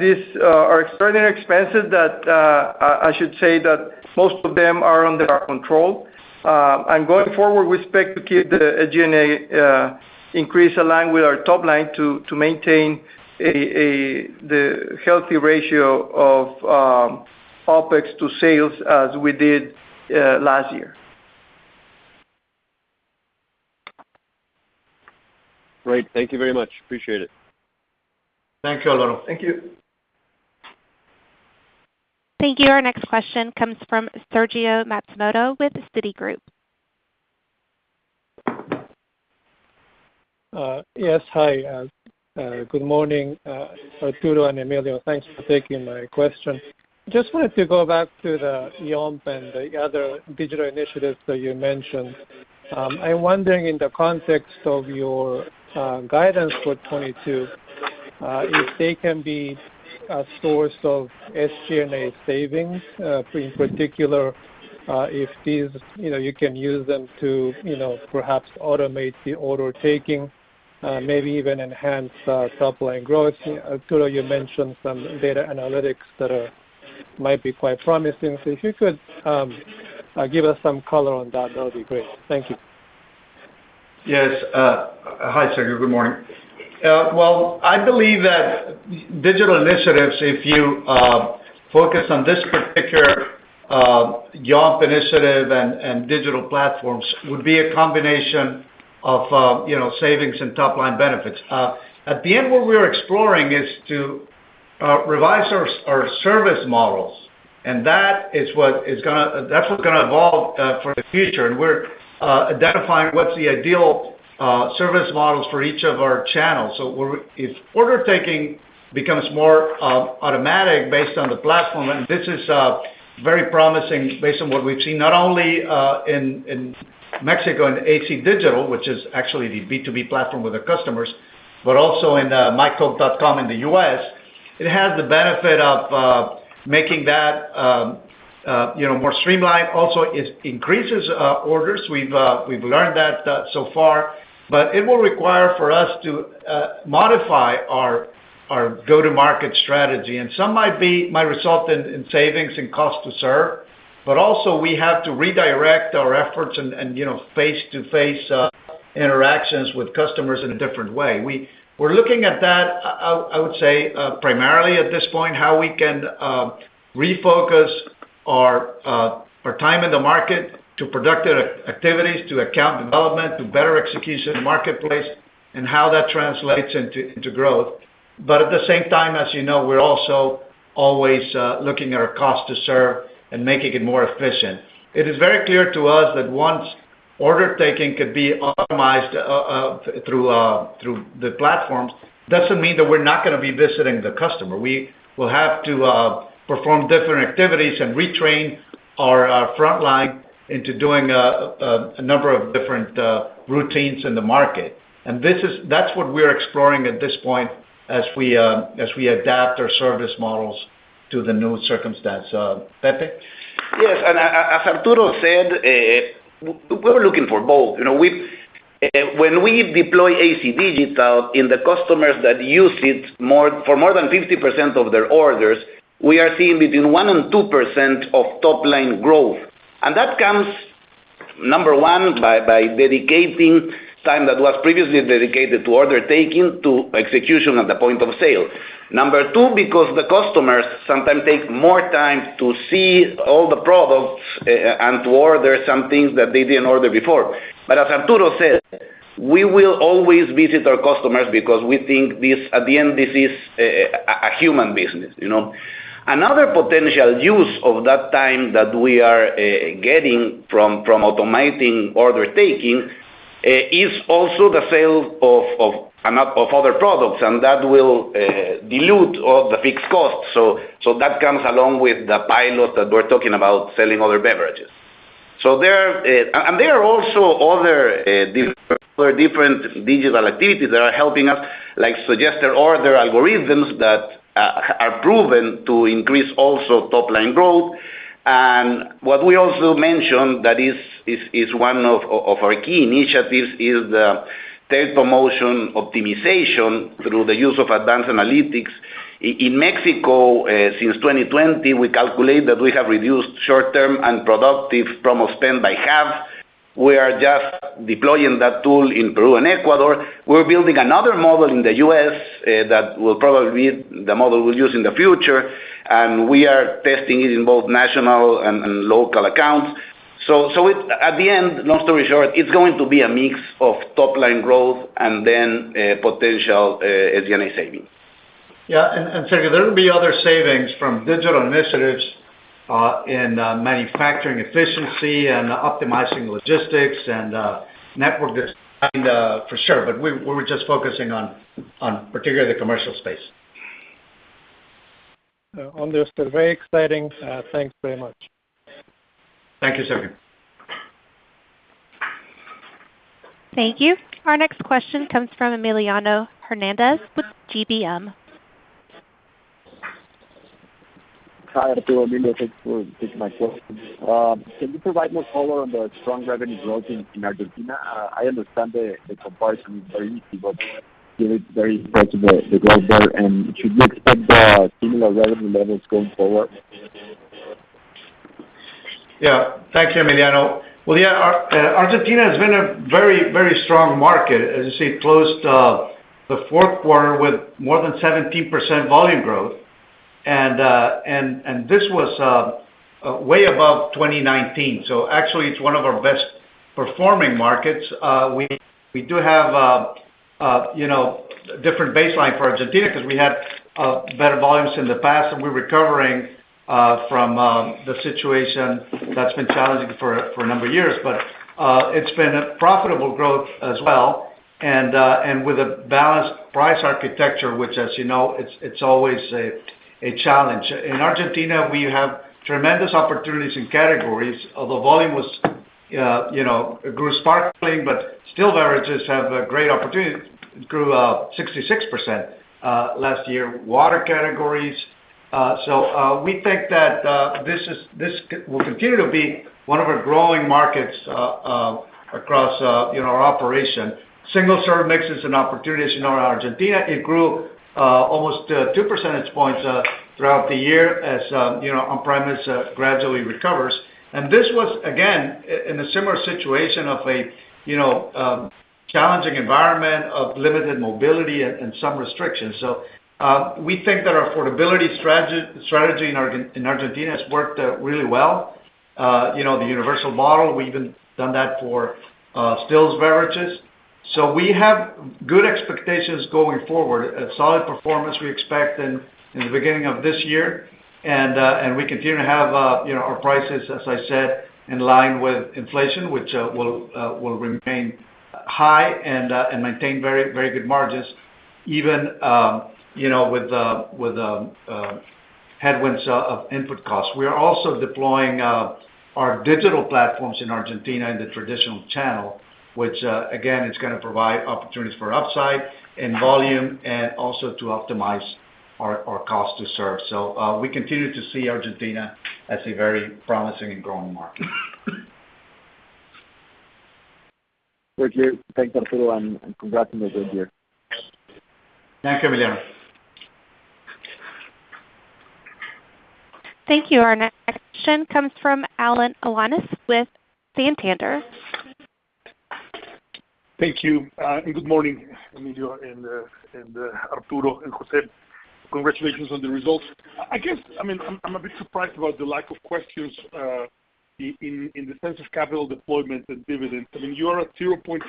these are extraordinary expenses that I should say that most of them are under our control. Going forward, we expect to keep the G&A increase aligned with our top line to maintain the healthy ratio of OpEx to sales as we did last year. Great. Thank you very much. Appreciate it. Thank you, Alvaro. Thank you. Thank you. Our next question comes from Renata Cabral with Citigroup. Yes. Hi, good morning, Arturo and Emilio. Thanks for taking my question. Just wanted to go back to the Yomp and the other digital initiatives that you mentioned. I'm wondering in the context of your guidance for 2022, if they can be a source of SG&A savings, in particular, if these, you know, you can use them to, you know, perhaps automate the order taking, maybe even enhance top-line growth. Arturo, you mentioned some data analytics that might be quite promising. If you could give us some color on that would be great. Thank you. Yes. Hi, Sergio. Good morning. Well, I believe that digital initiatives, if you focus on this particular Yomp initiative and digital platforms, would be a combination of savings and top line benefits. At the end, what we're exploring is to revise our service models, and that is what is gonna—that's what's gonna evolve for the future. We're identifying what's the ideal service models for each of our channels. If order taking becomes more automatic based on the platform, and this is very promising based on what we've seen, not only in Mexico and AC Digital, which is actually the B2B platform with our customers, but also in mycoke.com in the U.S., it has the benefit of making that, you know, more streamlined. Also, it increases orders. We've learned that so far, but it will require for us to modify our go-to-market strategy. Some might result in savings and cost to serve, but also we have to redirect our efforts and you know, face-to-face interactions with customers in a different way. We're looking at that, I would say primarily at this point, how we can refocus our time in the market to productive activities, to account development, to better execution in the marketplace and how that translates into growth. At the same time, as you know, we're also always looking at our cost to serve and making it more efficient. It is very clear to us that once order taking could be optimized through the platforms, doesn't mean that we're not gonna be visiting the customer. We will have to perform different activities and retrain our frontline into doing a number of different routines in the market. That's what we're exploring at this point as we adapt our service models to the new circumstance. Pepe? Yes. As Arturo said, we're looking for both. When we deploy AC Digital in the customers that use it more, for more than 50% of their orders, we are seeing between 1%-2% of top-line growth. That comes, number one, by dedicating time that was previously dedicated to order taking, to execution at the point of sale. Number two, because the customers sometimes take more time to see all the products, and to order some things that they didn't order before. As Arturo said, we will always visit our customers because we think this, at the end, this is a human business. Another potential use of that time that we are getting from automating order taking is also the sale of other products, and that will dilute all the fixed costs. That comes along with the pilot that we're talking about selling other beverages. There are also other different digital activities that are helping us, like suggested order algorithms that are proven to increase also top-line growth. What we also mentioned that is one of our key initiatives is the Trade Promotion Optimization through the use of advanced analytics. In Mexico, since 2020, we calculate that we have reduced short-term and productive promo spend by half. We are just deploying that tool in Peru and Ecuador. We're building another model in the U.S., that will probably be the model we'll use in the future, and we are testing it in both national and local accounts. At the end, long story short, it's going to be a mix of top-line growth and then potential SG&A savings. Sergio, there will be other savings from digital initiatives in manufacturing efficiency and optimizing logistics and network design, for sure. We were just focusing on particularly the commercial space. Understood. Very exciting. Thanks very much. Thank you, Sergio. Thank you. Our next question comes from Emiliano Hernandez with GBM. Hi, Arturo, Emilio. Thanks for taking my call. Can you provide more color on the strong revenue growth in Argentina? I understand the comparison is very easy, but it's very impressive, the growth there. Should we expect similar revenue levels going forward? Yeah. Thanks, Emiliano. Well, yeah, Argentina has been a very, very strong market. As you see, it closed the fourth quarter with more than 17% volume growth. This was way above 2019. Actually it's one of our best performing markets. We do have you know, a different baseline for Argentina because we had better volumes in the past, and we're recovering from the situation that's been challenging for a number of years. It's been a profitable growth as well and with a balanced price architecture, which as you know, it's always a challenge. In Argentina, we have tremendous opportunities in categories. Although volume grew sparkling, but still beverages have a great opportunity. It grew 66% last year, water categories. We think that this will continue to be one of our growing markets across, our operation. Single serve mixes and opportunities in our Argentina, it grew almost 2% throughout the year as on-premise gradually recovers. This was, again, in a similar situation of a challenging environment of limited mobility and some restrictions. We think that our affordability strategy in Argentina has worked really well. You know, the universal model, we even done that for stills beverages. We have good expectations going forward. A solid performance we expect in the beginning of this year. We continue to have, our prices, as I said, in line with inflation, which will remain high and maintain very, very good margins, even, you know, with headwinds of input costs. We are also deploying our digital platforms in Argentina in the traditional channel, which again is gonna provide opportunities for upside and volume and also to optimize our cost to serve. We continue to see Argentina as a very promising and growing market. Great deal. Thanks, Arturo, and congrats on the good year. Thanks, Emiliano. Thank you. Our next question comes from Alan Alanis with Santander. Thank you. Good morning, Emilio and Arturo and José. Congratulations on the results. I guess, I mean, I'm a bit surprised about the lack of questions, in the sense of capital deployment and dividends. I mean, you are at 0.5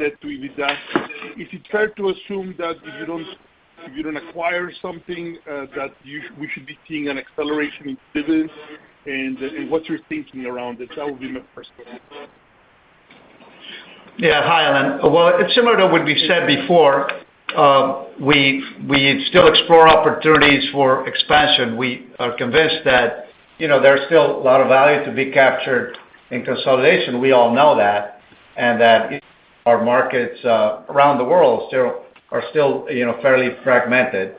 debt to EBITDA. Is it fair to assume that if you don't acquire something, that we should be seeing an acceleration in dividends? What's your thinking around this? That would be my first question. Yeah. Hi, Alan. Well, it's similar to what we said before. We still explore opportunities for expansion. We are convinced that, you know, there's still a lot of value to be captured in consolidation. We all know that our markets around the world still are, you know, fairly fragmented.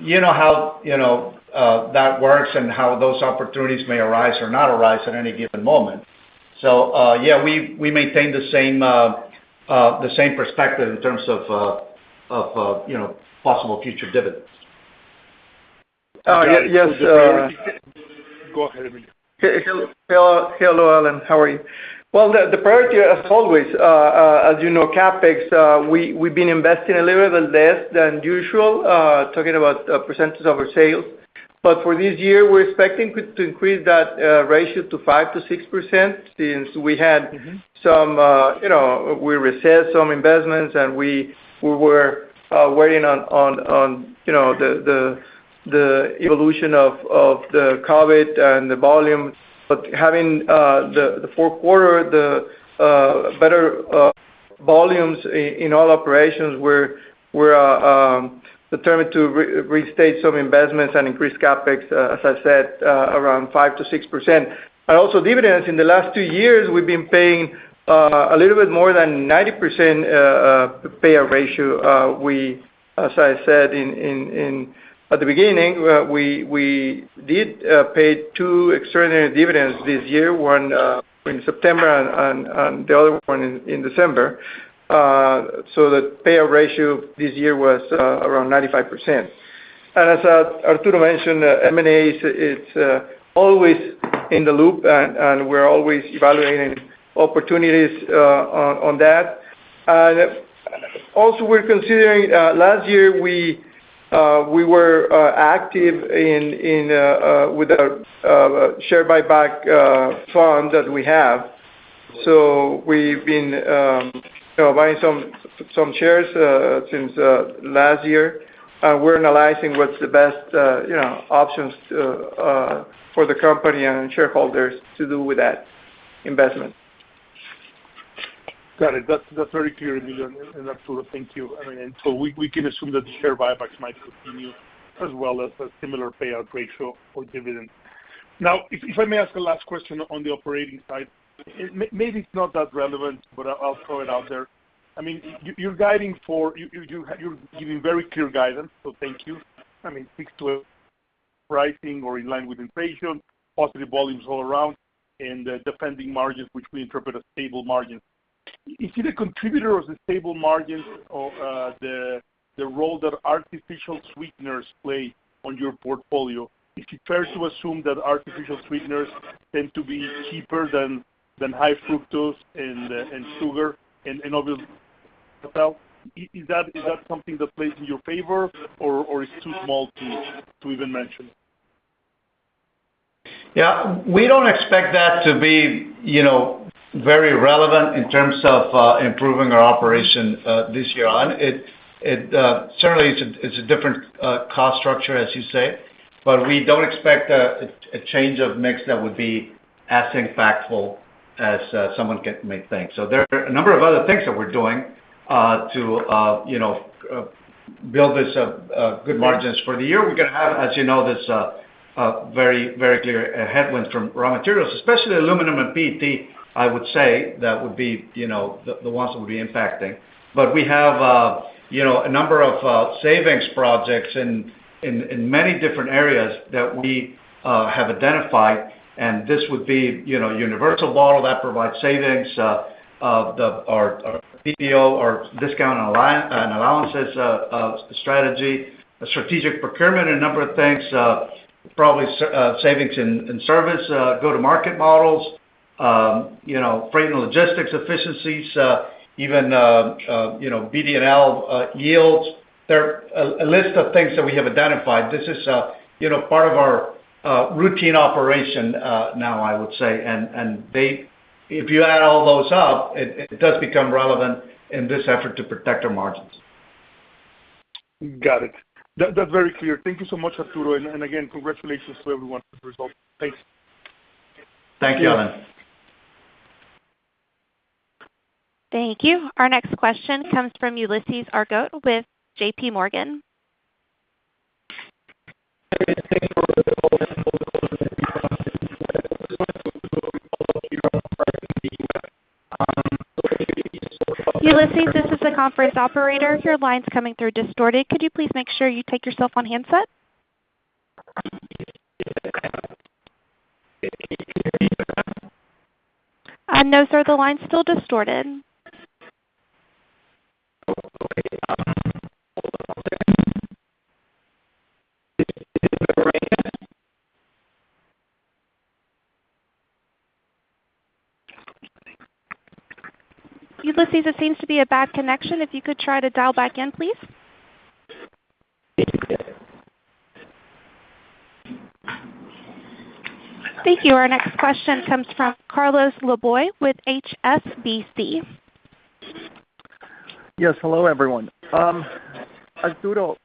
You know how that works and how those opportunities may arise or not arise at any given moment. Yeah, we maintain the same perspective in terms of possible future dividends. Yes. Go ahead, Emilio. Hello, Alan. How are you? Well, the priority as always, as you know, CapEx, we've been investing a little bit less than usual, talking about percentage of our sales. For this year, we're expecting to increase that ratio to 5%-6% since we had- Mm-hmm. You know, we reset some investments and we were waiting on you know, the evolution of the COVID and the volume. Having the fourth quarter, the better volumes in all operations, we're determined to restage some investments and increase CapEx, as I said, around 5%-6%. Also dividends, in the last two years, we've been paying a little bit more than 90% payout ratio. We, as I said at the beginning, we did pay two extraordinary dividends this year, one in September and the other one in December. The payout ratio this year was around 95%. As Arturo mentioned, M&A is always in the loop and we're always evaluating opportunities on that. Also, we're considering last year we were active with our share buyback fund that we have. We've been you know buying some shares since last year. We're analyzing what's the best you know options for the company and shareholders to do with that investment. Got it. That's very clear, Emilio and Arturo. Thank you. I mean, we can assume that the share buybacks might continue as well as a similar payout ratio for dividends. Now, if I may ask a last question on the operating side, maybe it's not that relevant, but I'll throw it out there. I mean, you're giving very clear guidance, so thank you. I mean, 6%-8% pricing or in line with inflation, positive volumes all around and defending margins, which we interpret as stable margins. Is it a contributor of the stable margins or the role that artificial sweeteners play on your portfolio? Is it fair to assume that artificial sweeteners tend to be cheaper than high fructose and sugar and other? Is that something that plays in your favor or it's too small to even mention? Yeah, we don't expect that to be, you know, very relevant in terms of improving our operation this year on. It certainly is a different cost structure, as you say, but we don't expect a change of mix that would be as impactful as someone may think. There are a number of other things that we're doing to you know build this up good margins for the year. We're gonna have, this very very clear headwinds from raw materials, especially aluminum and PET. I would say that would be, the ones that would be impacting. We have, a number of savings projects in many different areas that we have identified, and this would be, universal bottle that provides savings of our PPO, our discount and allowances strategy. A strategic procurement, a number of things, probably savings in service go-to-market models, freight and logistics efficiencies, even BD&L yields. There are a list of things that we have identified. This is, part of our routine operation now, I would say, and if you add all those up, it does become relevant in this effort to protect our margins. Got it. That's very clear. Thank you so much, Arturo, and again, congratulations to everyone for the results. Thanks. Thank you, Alan. Thank you. Our next question comes from Ulises Ulises Argote [Equity Research Analyst] (JPMorgan) Ulises, this is the conference operator. Your line's coming through distorted. Could you please make sure you take yourself on handset? No, sir, the line's still distorted. Ulises, it seems to be a bad connection. If you could try to dial back in, please. Thank you. Our next question comes from Carlos Laboy with HSBC. Yes, hello, everyone. Arturo,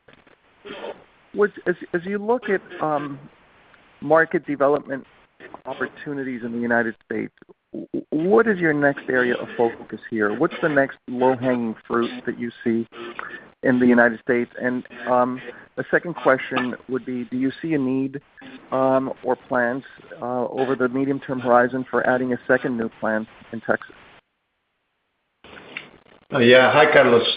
as you look at market development opportunities in the United States, what is your next area of focus here? What's the next low-hanging fruit that you see in the United States? The second question would be, do you see a need or plans over the medium-term horizon for adding a second new plant in Texas? Hi, Carlos.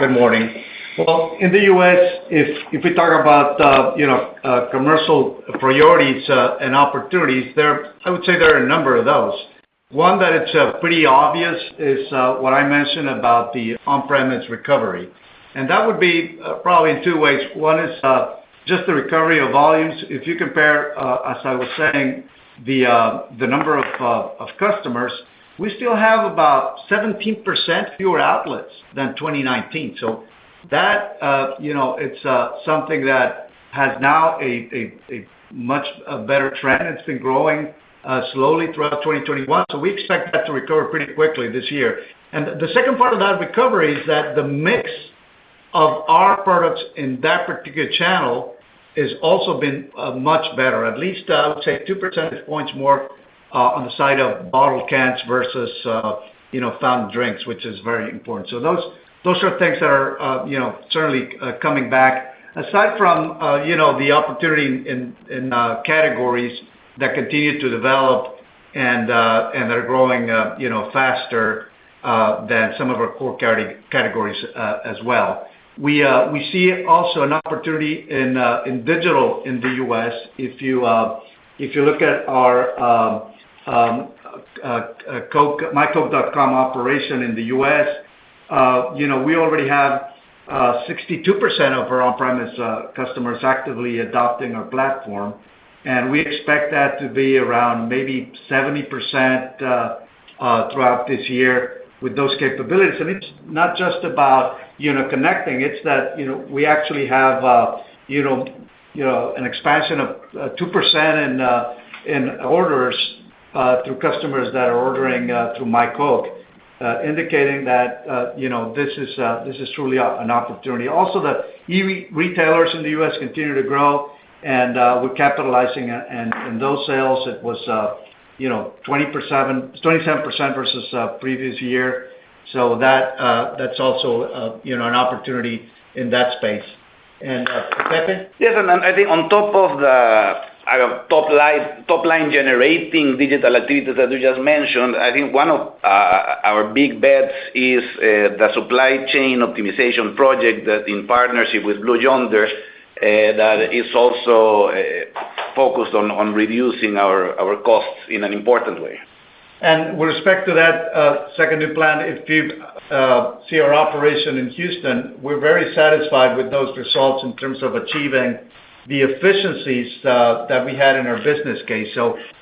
Good morning. Well, in the U.S., if we talk about commercial priorities and opportunities, I would say there are a number of those. One that's pretty obvious is what I mentioned about the on-premise recovery, and that would be probably in two ways. One is just the recovery of volumes. If you compare, as I was saying, the number of customers, we still have about 17% fewer outlets than 2019. That it's something that has now a much better trend. It's been growing slowly throughout 2021, so we expect that to recover pretty quickly this year. The second part of that recovery is that the mix of our products in that particular channel has also been much better, at least, I would say 2% more on the side of bottled cans versus fountain drinks, which is very important. Those are things that are you know certainly coming back. Aside from the opportunity in categories that continue to develop and are growing faster than some of our core categories as well. We see also an opportunity in digital in the U.S. If you look at our Coke myCoke.com operation in the U.S., we already have 62% of our on-premise customers actively adopting our platform, and we expect that to be around maybe 70% throughout this year with those capabilities. It's not just about, connecting. It's that, you know, we actually have you know an expansion of 2% in orders through customers that are ordering through mycoke.com, indicating that you know this is truly an opportunity. Also, the e-retailers in the U.S. continue to grow and we're capitalizing on those sales, it was you know 27% versus previous year. That that's also, an opportunity in that space. Pepe? Yes, I think on top of the top line generating digital activities that you just mentioned, I think one of our big bets is the supply chain optimization project that in partnership with Blue Yonder that is also focused on reducing our costs in an important way. With respect to that second new plan, if you see our operation in Houston, we're very satisfied with those results in terms of achieving the efficiencies that we had in our business case.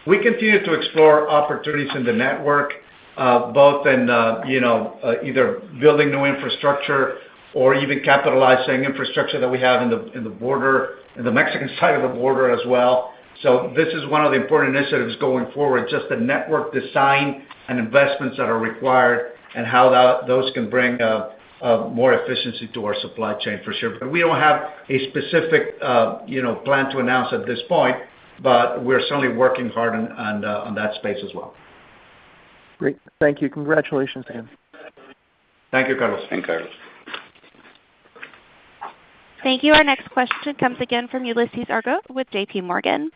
We continue to explore opportunities in the network, both in, you know, either building new infrastructure or even capitalizing infrastructure that we have in the border, in the Mexican side of the border as well. This is one of the important initiatives going forward, just the network design and investments that are required and how those can bring more efficiency to our supply chain for sure. We don't have a specific, you know, plan to announce at this point, but we're certainly working hard on that space as well. Great. Thank you. Congratulations again. Thank you, Carlos. Thank you, Carlos. Thank you. Our next question comes again from Ulises Argote with JPMorgan.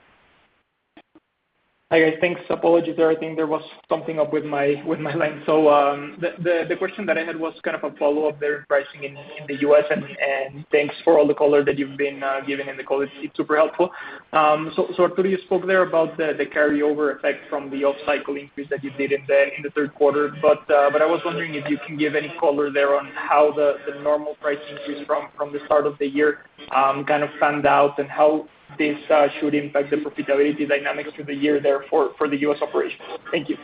Hi, guys. Thanks. Apologies there. I think there was something up with my line. The question that I had was kind of a follow-up there, pricing in the U.S. and thanks for all the color that you've been giving in the call. It's super helpful. Arturo, you spoke there about the carryover effect from the off-cycle increase that you did in the third quarter. I was wondering if you can give any color there on how the normal price increase from the start of the year kind of panned out and how this should impact the profitability dynamics through the year there for the U.S. operations. Thank you.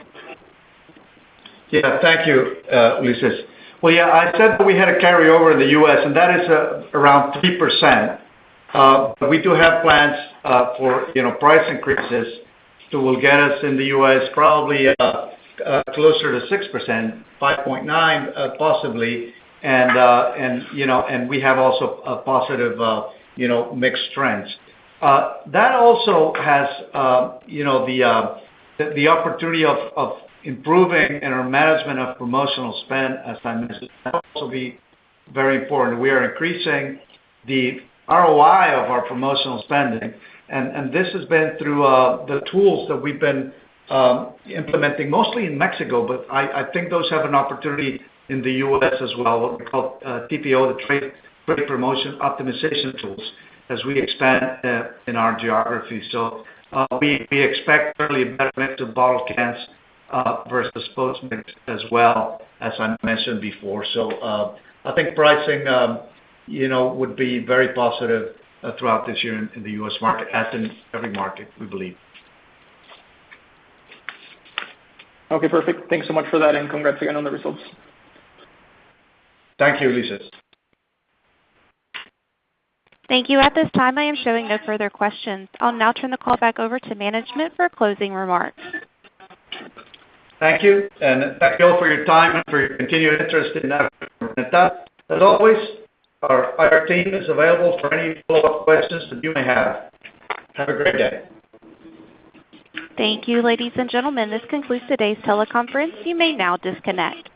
Yeah. Thank you, Ulises. Well, yeah, I said we had a carryover in the U.S. and that is around 3%. We do have plans for you know price increases that will get us in the U.S. probably closer to 6%, 5.9 possibly. We have also a positive you know mix trends. That also has you know the opportunity of improving in our management of promotional spend, as I mentioned, will also be very important. We are increasing the ROI of our promotional spending. This has been through the tools that we've been implementing mostly in Mexico, but I think those have an opportunity in the U.S. as well, what we call TPO, the Trade Promotion Optimization tools, as we expand in our geography. We expect certainly a better mix of bottle cans versus spokes mix as well, as I mentioned before. I think pricing, would be very positive throughout this year in the U.S. market, as in every market, we believe. Okay, perfect. Thanks so much for that and congrats again on the results. Thank you, Ulises. Thank you. At this time, I am showing no further questions. I'll now turn the call back over to management for closing remarks. Thank you. Thank you all for your time and for your continued interest in Arca Continental. As always, our team is available for any follow-up questions that you may have. Have a great day. Thank you, ladies and gentlemen. This concludes today's teleconference. You may now disconnect.